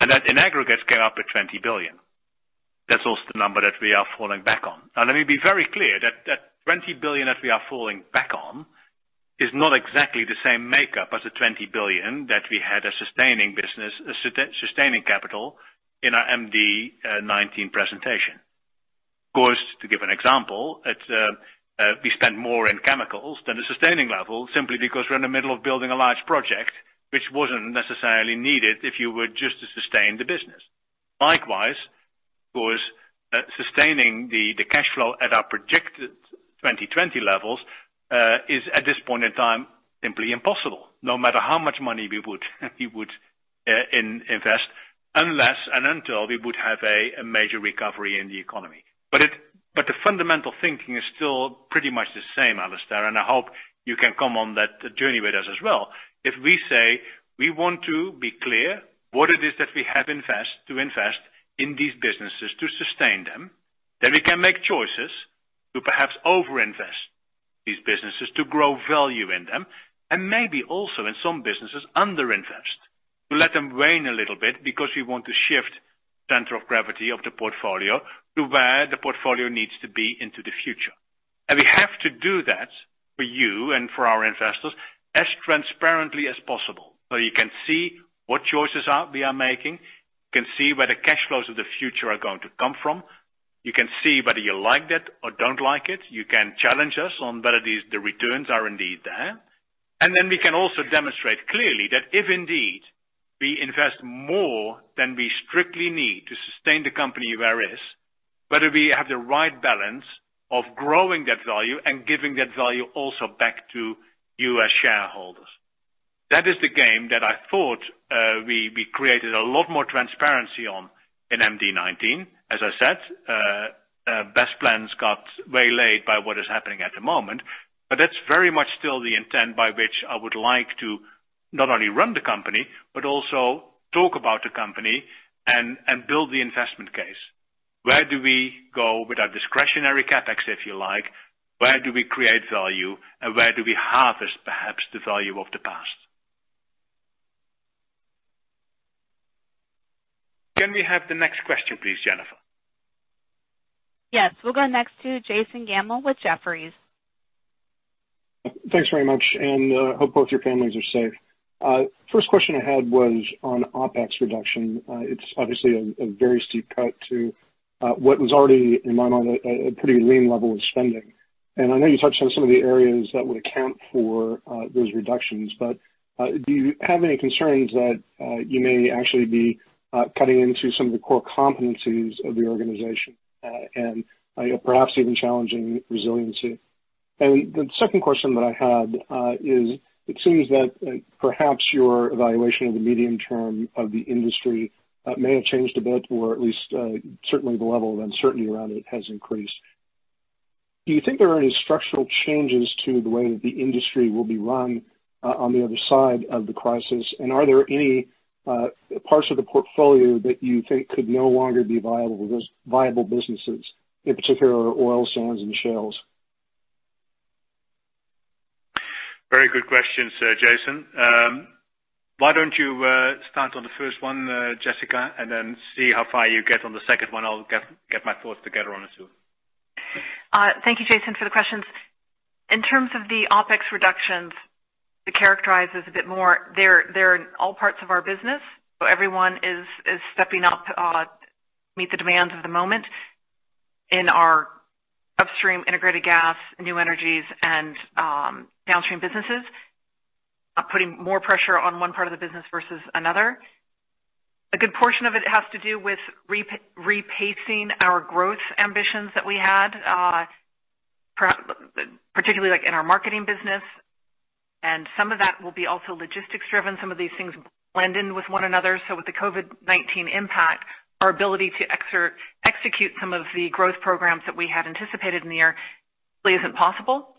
That in aggregate scale up at $20 billion. That's also the number that we are falling back on. Let me be very clear that that $20 billion that we are falling back on is not exactly the same makeup as the $20 billion that we had a sustaining capital in our MD19 presentation. To give an example, we spent more in chemicals than the sustaining level simply because we're in the middle of building a large project, which wasn't necessarily needed if you were just to sustain the business. Likewise, of course, sustaining the cash flow at our projected 2020 levels, is at this point in time simply impossible, no matter how much money we would invest, unless and until we would have a major recovery in the economy. The fundamental thinking is still pretty much the same, Alastair, and I hope you can come on that journey with us as well. If we say we want to be clear what it is that we have to invest in these businesses to sustain them, then we can make choices to perhaps over-invest these businesses to grow value in them, and maybe also in some businesses, under-invest, to let them wane a little bit because we want to shift center of gravity of the portfolio to where the portfolio needs to be into the future. We have to do that for you and for our investors as transparently as possible. You can see what choices we are making, you can see where the cash flows of the future are going to come from. You can see whether you like that or don't like it. You can challenge us on whether the returns are indeed there. Then we can also demonstrate clearly that if indeed we invest more than we strictly need to sustain the company where it is, whether we have the right balance of growing that value and giving that value also back to you as shareholders. That is the game that I thought we created a lot more transparency on in MD19. I said, best plans got waylaid by what is happening at the moment. That's very much still the intent by which I would like to not only run the company, but also talk about the company and build the investment case. Where do we go with our discretionary CapEx, if you like? Where do we create value, and where do we harvest perhaps the value of the past? Can we have the next question, please, Jennifer? Yes. We'll go next to Jason Gammel with Jefferies. Thanks very much. Hope both your families are safe. First question I had was on OpEx reduction. It's obviously a very steep cut to what was already, in my mind, a pretty lean level of spending. I know you touched on some of the areas that would account for those reductions, but do you have any concerns that you may actually be cutting into some of the core competencies of the organization, and perhaps even challenging resiliency? The second question that I had is, it seems that perhaps your evaluation of the medium term of the industry may have changed a bit, or at least certainly the level of uncertainty around it has increased. Do you think there are any structural changes to the way that the industry will be run on the other side of the crisis? Are there any parts of the portfolio that you think could no longer be viable businesses, in particular oil sands and shales? Very good questions, Jason. Why don't you start on the first one, Jessica, and then see how far you get on the second one. I'll get my thoughts together on it too. Thank you, Jason, for the questions. In terms of the OpEx reductions, to characterize this a bit more, they're in all parts of our business. Everyone is stepping up to meet the demands of the moment in our Upstream, Integrated Gas, New Energies, and Downstream businesses, putting more pressure on one part of the business versus another. A good portion of it has to do with repacing our growth ambitions that we had, particularly in our marketing business. Some of that will be also logistics driven. Some of these things blend in with one another. With the COVID-19 impact, our ability to execute some of the growth programs that we had anticipated in the year really isn't possible.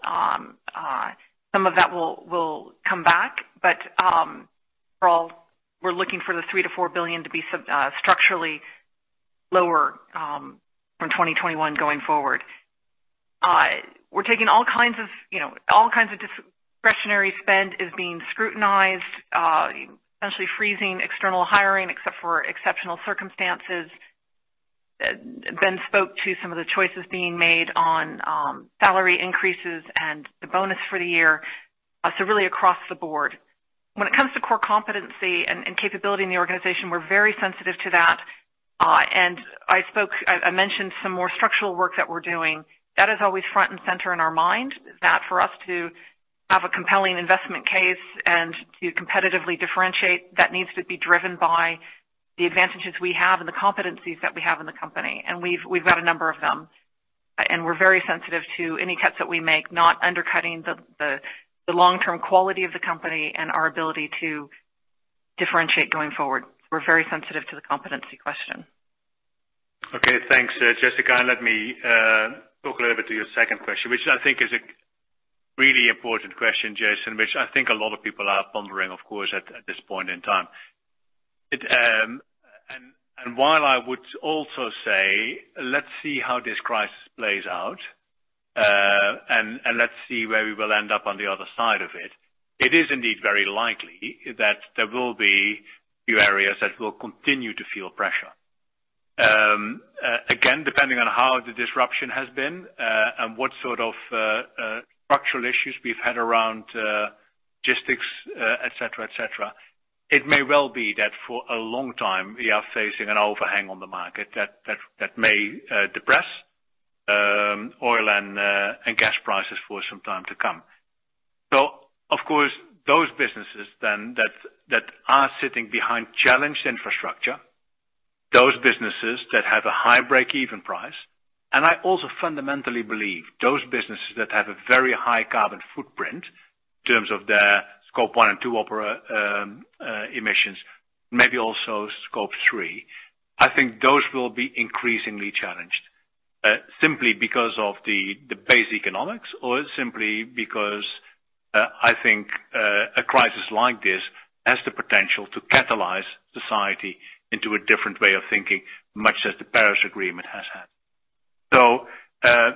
Some of that will come back. Overall, we're looking for the $3 billion-$4 billion to be structurally lower from 2021 going forward. All kinds of discretionary spend is being scrutinized, essentially freezing external hiring except for exceptional circumstances. Ben spoke to some of the choices being made on salary increases and the bonus for the year. Really across the board. When it comes to core competency and capability in the organization, we're very sensitive to that. I mentioned some more structural work that we're doing. That is always front and center in our mind, that for us to have a compelling investment case and to competitively differentiate, that needs to be driven by the advantages we have and the competencies that we have in the company, and we've got a number of them. We're very sensitive to any cuts that we make not undercutting the long-term quality of the company and our ability to differentiate going forward. We're very sensitive to the competency question. Okay, thanks, Jessica. Let me talk a little bit to your second question, which I think is a really important question, Jason, which I think a lot of people are pondering, of course, at this point in time. While I would also say, let's see how this crisis plays out, and let's see where we will end up on the other side of it is indeed very likely that there will be a few areas that will continue to feel pressure. Again, depending on how the disruption has been, and what sort of structural issues we've had around logistics, et cetera. It may well be that for a long time, we are facing an overhang on the market that may depress oil and gas prices for some time to come. Of course, those businesses then that are sitting behind challenged infrastructure, those businesses that have a high breakeven price, and I also fundamentally believe those businesses that have a very high carbon footprint in terms of their Scope 1 and 2 emissions, maybe also Scope 3, I think those will be increasingly challenged. Simply because of the base economics or simply because, I think a crisis like this has the potential to catalyze society into a different way of thinking, much as the Paris Agreement has had.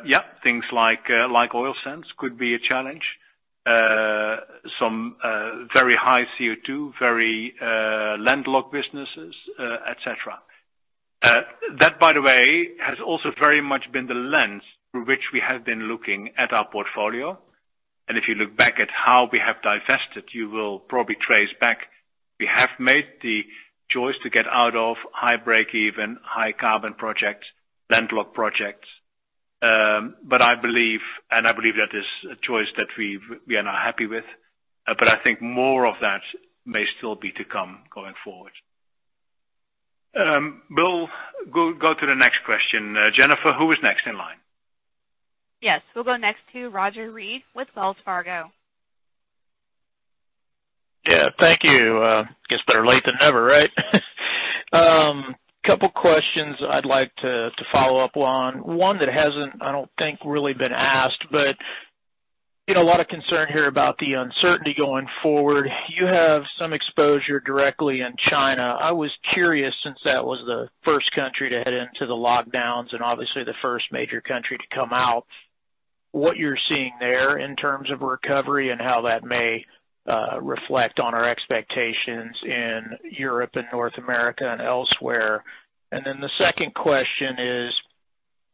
Yeah, things like oil sands could be a challenge. Some very high CO2, very landlocked businesses, et cetera. That, by the way, has also very much been the lens through which we have been looking at our portfolio. If you look back at how we have divested, you will probably trace back. We have made the choice to get out of high breakeven, high carbon projects, land-locked projects. I believe that is a choice that we are now happy with. I think more of that may still be to come, going forward. We'll go to the next question. Jennifer, who is next in line? Yes. We'll go next to Roger Read with Wells Fargo. Yeah, thank you. Guess better late than never, right? Couple questions I'd like to follow up on. One that hasn't, I don't think, really been asked, but a lot of concern here about the uncertainty going forward. You have some exposure directly in China. I was curious, since that was the first country to head into the lockdowns, and obviously the first major country to come out, what you're seeing there in terms of recovery and how that may reflect on our expectations in Europe and North America and elsewhere. The second question is,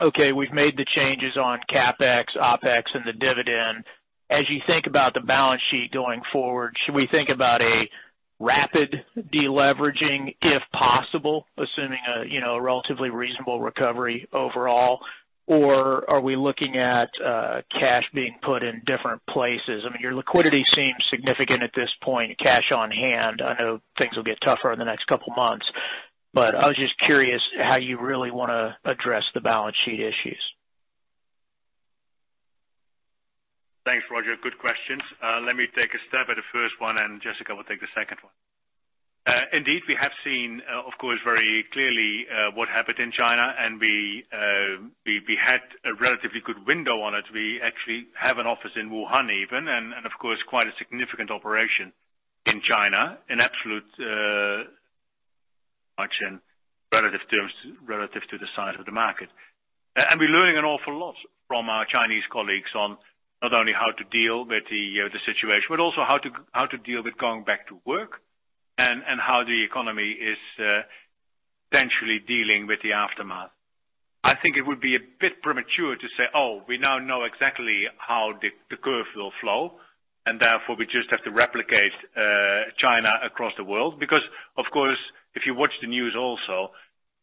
okay, we've made the changes on CapEx, OpEx, and the dividend. As you think about the balance sheet going forward, should we think about a rapid de-leveraging if possible, assuming a relatively reasonable recovery overall? Are we looking at cash being put in different places? Your liquidity seems significant at this point, cash on hand. I know things will get tougher in the next couple of months, but I was just curious how you really want to address the balance sheet issues. Thanks, Roger. Good questions. Let me take a stab at the first one, and Jessica will take the second one. Indeed, we have seen, of course, very clearly what happened in China, and we had a relatively good window on it. We actually have an office in Wuhan even, and of course, quite a significant operation in China in absolute production relative to the size of the market. We're learning an awful lot from our Chinese colleagues on not only how to deal with the situation, but also how to deal with going back to work, and how the economy is potentially dealing with the aftermath. I think it would be a bit premature to say, oh, we now know exactly how the curve will flow, and therefore we just have to replicate China across the world. Of course, if you watch the news also,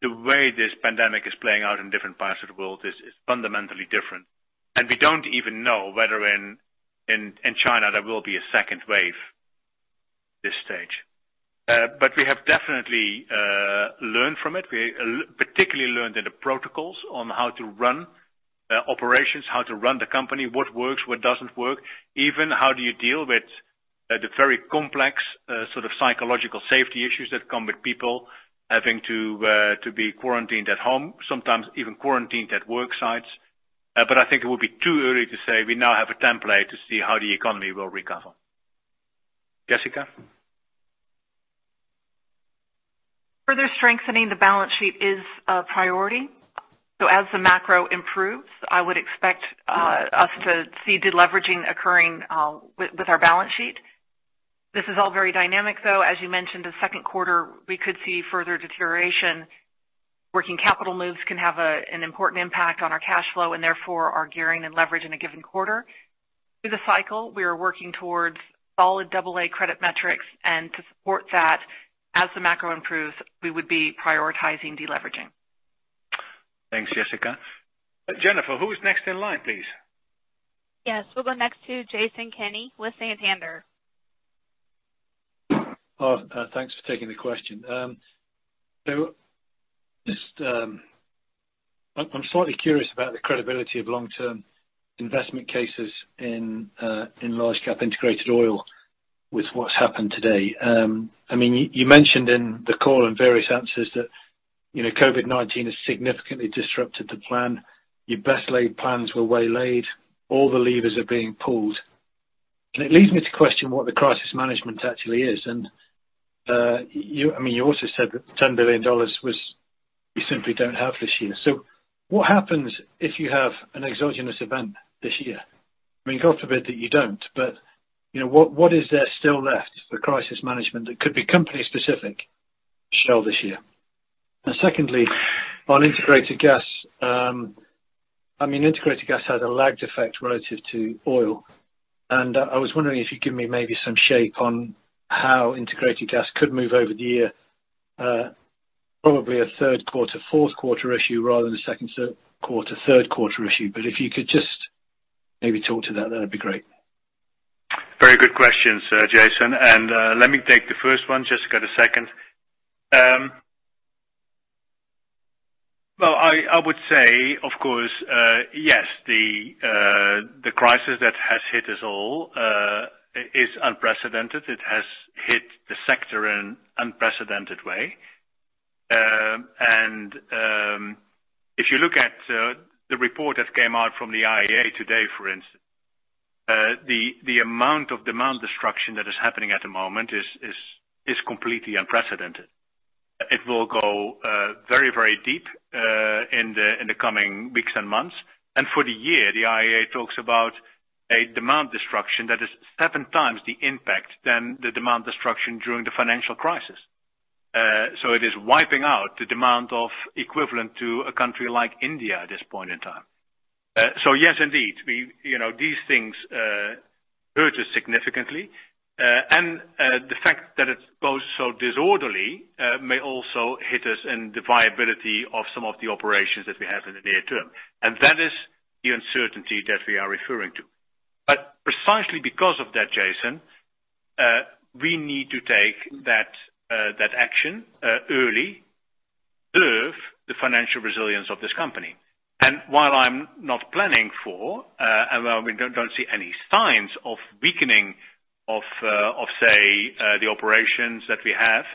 the way this pandemic is playing out in different parts of the world is fundamentally different. We don't even know whether in China there will be a second wave at this stage. We have definitely learned from it. We particularly learned in the protocols on how to run operations, how to run the company, what works, what doesn't work, even how do you deal with the very complex psychological safety issues that come with people having to be quarantined at home, sometimes even quarantined at work sites. I think it would be too early to say we now have a template to see how the economy will recover. Jessica? Further strengthening the balance sheet is a priority. As the macro improves, I would expect us to see de-leveraging occurring with our balance sheet. This is all very dynamic, though. As you mentioned, the second quarter, we could see further deterioration. Working capital moves can have an important impact on our cash flow and therefore our gearing and leverage in a given quarter. Through the cycle, we are working towards solid AA credit metrics, and to support that, as the macro improves, we would be prioritizing de-leveraging. Thanks, Jessica. Jennifer, who is next in line, please? Yes. We'll go next to Jason Kenney with Santander. Thanks for taking the question. I'm slightly curious about the credibility of long-term investment cases in large cap integrated oil with what's happened today. You mentioned in the call in various answers that COVID-19 has significantly disrupted the plan. Your best laid plans were waylaid. All the levers are being pulled. It leads me to question what the crisis management actually is. You also said that $10 billion you simply don't have this year. What happens if you have an exogenous event this year? God forbid that you don't, what is there still left for crisis management that could be company specific Shell this year? Secondly, on Integrated Gas. Integrated Gas has a lagged effect relative to oil, and I was wondering if you'd give me maybe some shape on how integrated gas could move over the year. Probably a third quarter, fourth quarter issue rather than a second quarter, third quarter issue. If you could just maybe talk to that'd be great? Very good questions, Jason. Let me take the first one. Jessica, the second. Well, I would say, of course yes, the crisis that has hit us all is unprecedented. It has hit the sector in unprecedented way. If you look at the report that came out from the IEA today, for instance the amount of demand destruction that is happening at the moment is completely unprecedented. It will go very deep in the coming weeks and months. For the year, the IEA talks about a demand destruction that is seven times the impact than the demand destruction during the financial crisis. So it is wiping out the demand of equivalent to a country like India at this point in time. Yes, indeed, these things hurt us significantly. The fact that it's both so disorderly may also hit us in the viability of some of the operations that we have in the near term. That is the uncertainty that we are referring to. Precisely because of that, Jason, we need to take that action early, preserve the financial resilience of this company. While I'm not planning for, and while we don't see any signs of weakening of, say, the operations that we have,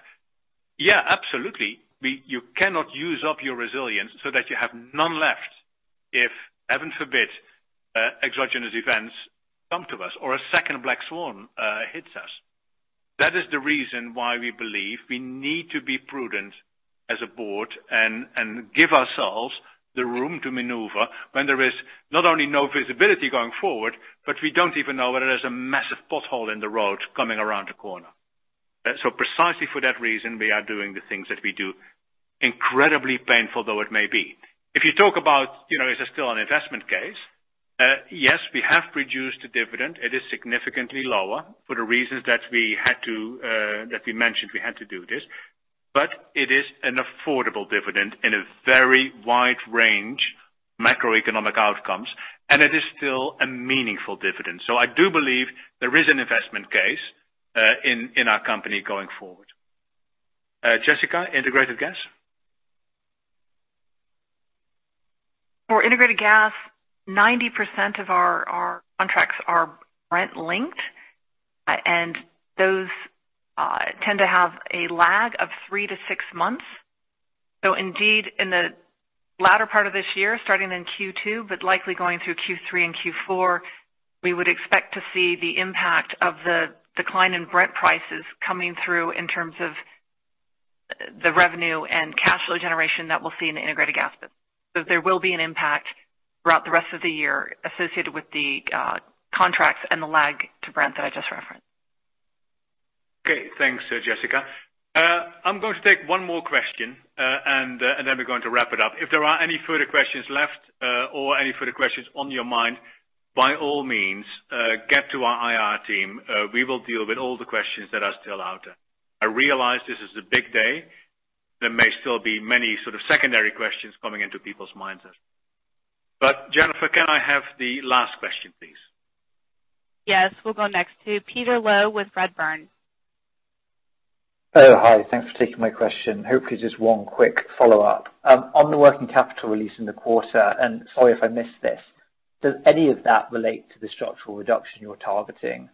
yeah, absolutely. You cannot use up your resilience so that you have none left if, heaven forbid, exogenous events come to us, or a second black swan hits us. That is the reason why we believe we need to be prudent as a Board and give ourselves the room to maneuver when there is not only no visibility going forward, but we don't even know whether there's a massive pothole in the road coming around the corner. Precisely for that reason, we are doing the things that we do, incredibly painful though it may be. If you talk about, is there still an investment case? Yes, we have reduced the dividend. It is significantly lower for the reasons that we mentioned we had to do this. It is an affordable dividend in a very wide range macroeconomic outcomes, and it is still a meaningful dividend. I do believe there is an investment case in our company going forward. Jessica, Integrated Gas? For Integrated Gas, 90% of our contracts are Brent linked. Those tend to have a lag of three to six months. Indeed, in the latter part of this year, starting in Q2, but likely going through Q3 and Q4, we would expect to see the impact of the decline in Brent prices coming through in terms of the revenue and cash flow generation that we'll see in the Integrated Gas business. There will be an impact throughout the rest of the year associated with the contracts and the lag to Brent that I just referenced. Okay. Thanks, Jessica. I'm going to take one more question, and then we're going to wrap it up. If there are any further questions left, or any further questions on your mind, by all means, get to our IR team. We will deal with all the questions that are still out there. I realize this is a big day. There may still be many sort of secondary questions coming into people's minds. Jennifer, can I have the last question, please? Yes. We'll go next to Peter Low with Redburn. Hello. Hi, thanks for taking my question. Hopefully just one quick follow-up. On the working capital release in the quarter, sorry if I missed this, does any of that relate to the structural reduction you're targeting?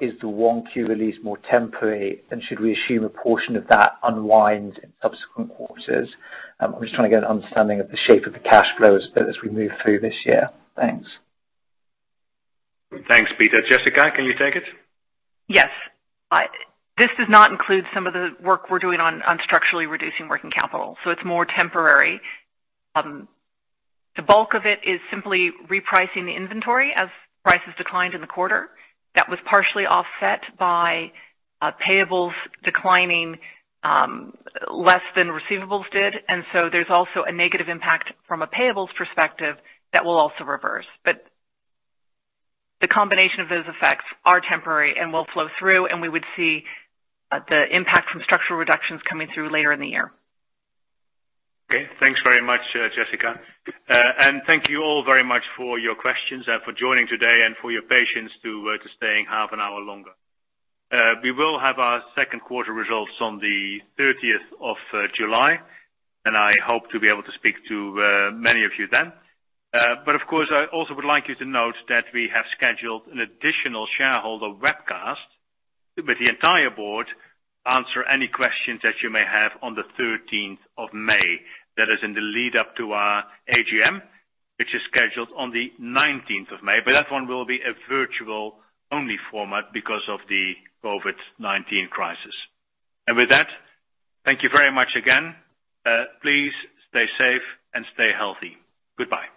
Is the 1Q release more temporary? Should we assume a portion of that unwind in subsequent quarters? I'm just trying to get an understanding of the shape of the cash flows as we move through this year. Thanks. Thanks, Peter. Jessica, can you take it? Yes. This does not include some of the work we're doing on structurally reducing working capital. It's more temporary. The bulk of it is simply repricing the inventory as prices declined in the quarter. That was partially offset by payables declining less than receivables did. There's also a negative impact from a payables perspective that will also reverse. The combination of those effects are temporary and will flow through, and we would see the impact from structural reductions coming through later in the year. Okay. Thanks very much, Jessica. Thank you all very much for your questions and for joining today and for your patience to staying half an hour longer. We will have our second quarter results on the 30th of July, and I hope to be able to speak to many of you then. Of course, I also would like you to note that we have scheduled an additional shareholder webcast with the entire Board answer any questions that you may have on the 13th of May. That is in the lead-up to our AGM, which is scheduled on the 19th of May. That one will be a virtual only format because of the COVID-19 crisis. With that, thank you very much again. Please stay safe and stay healthy. Goodbye.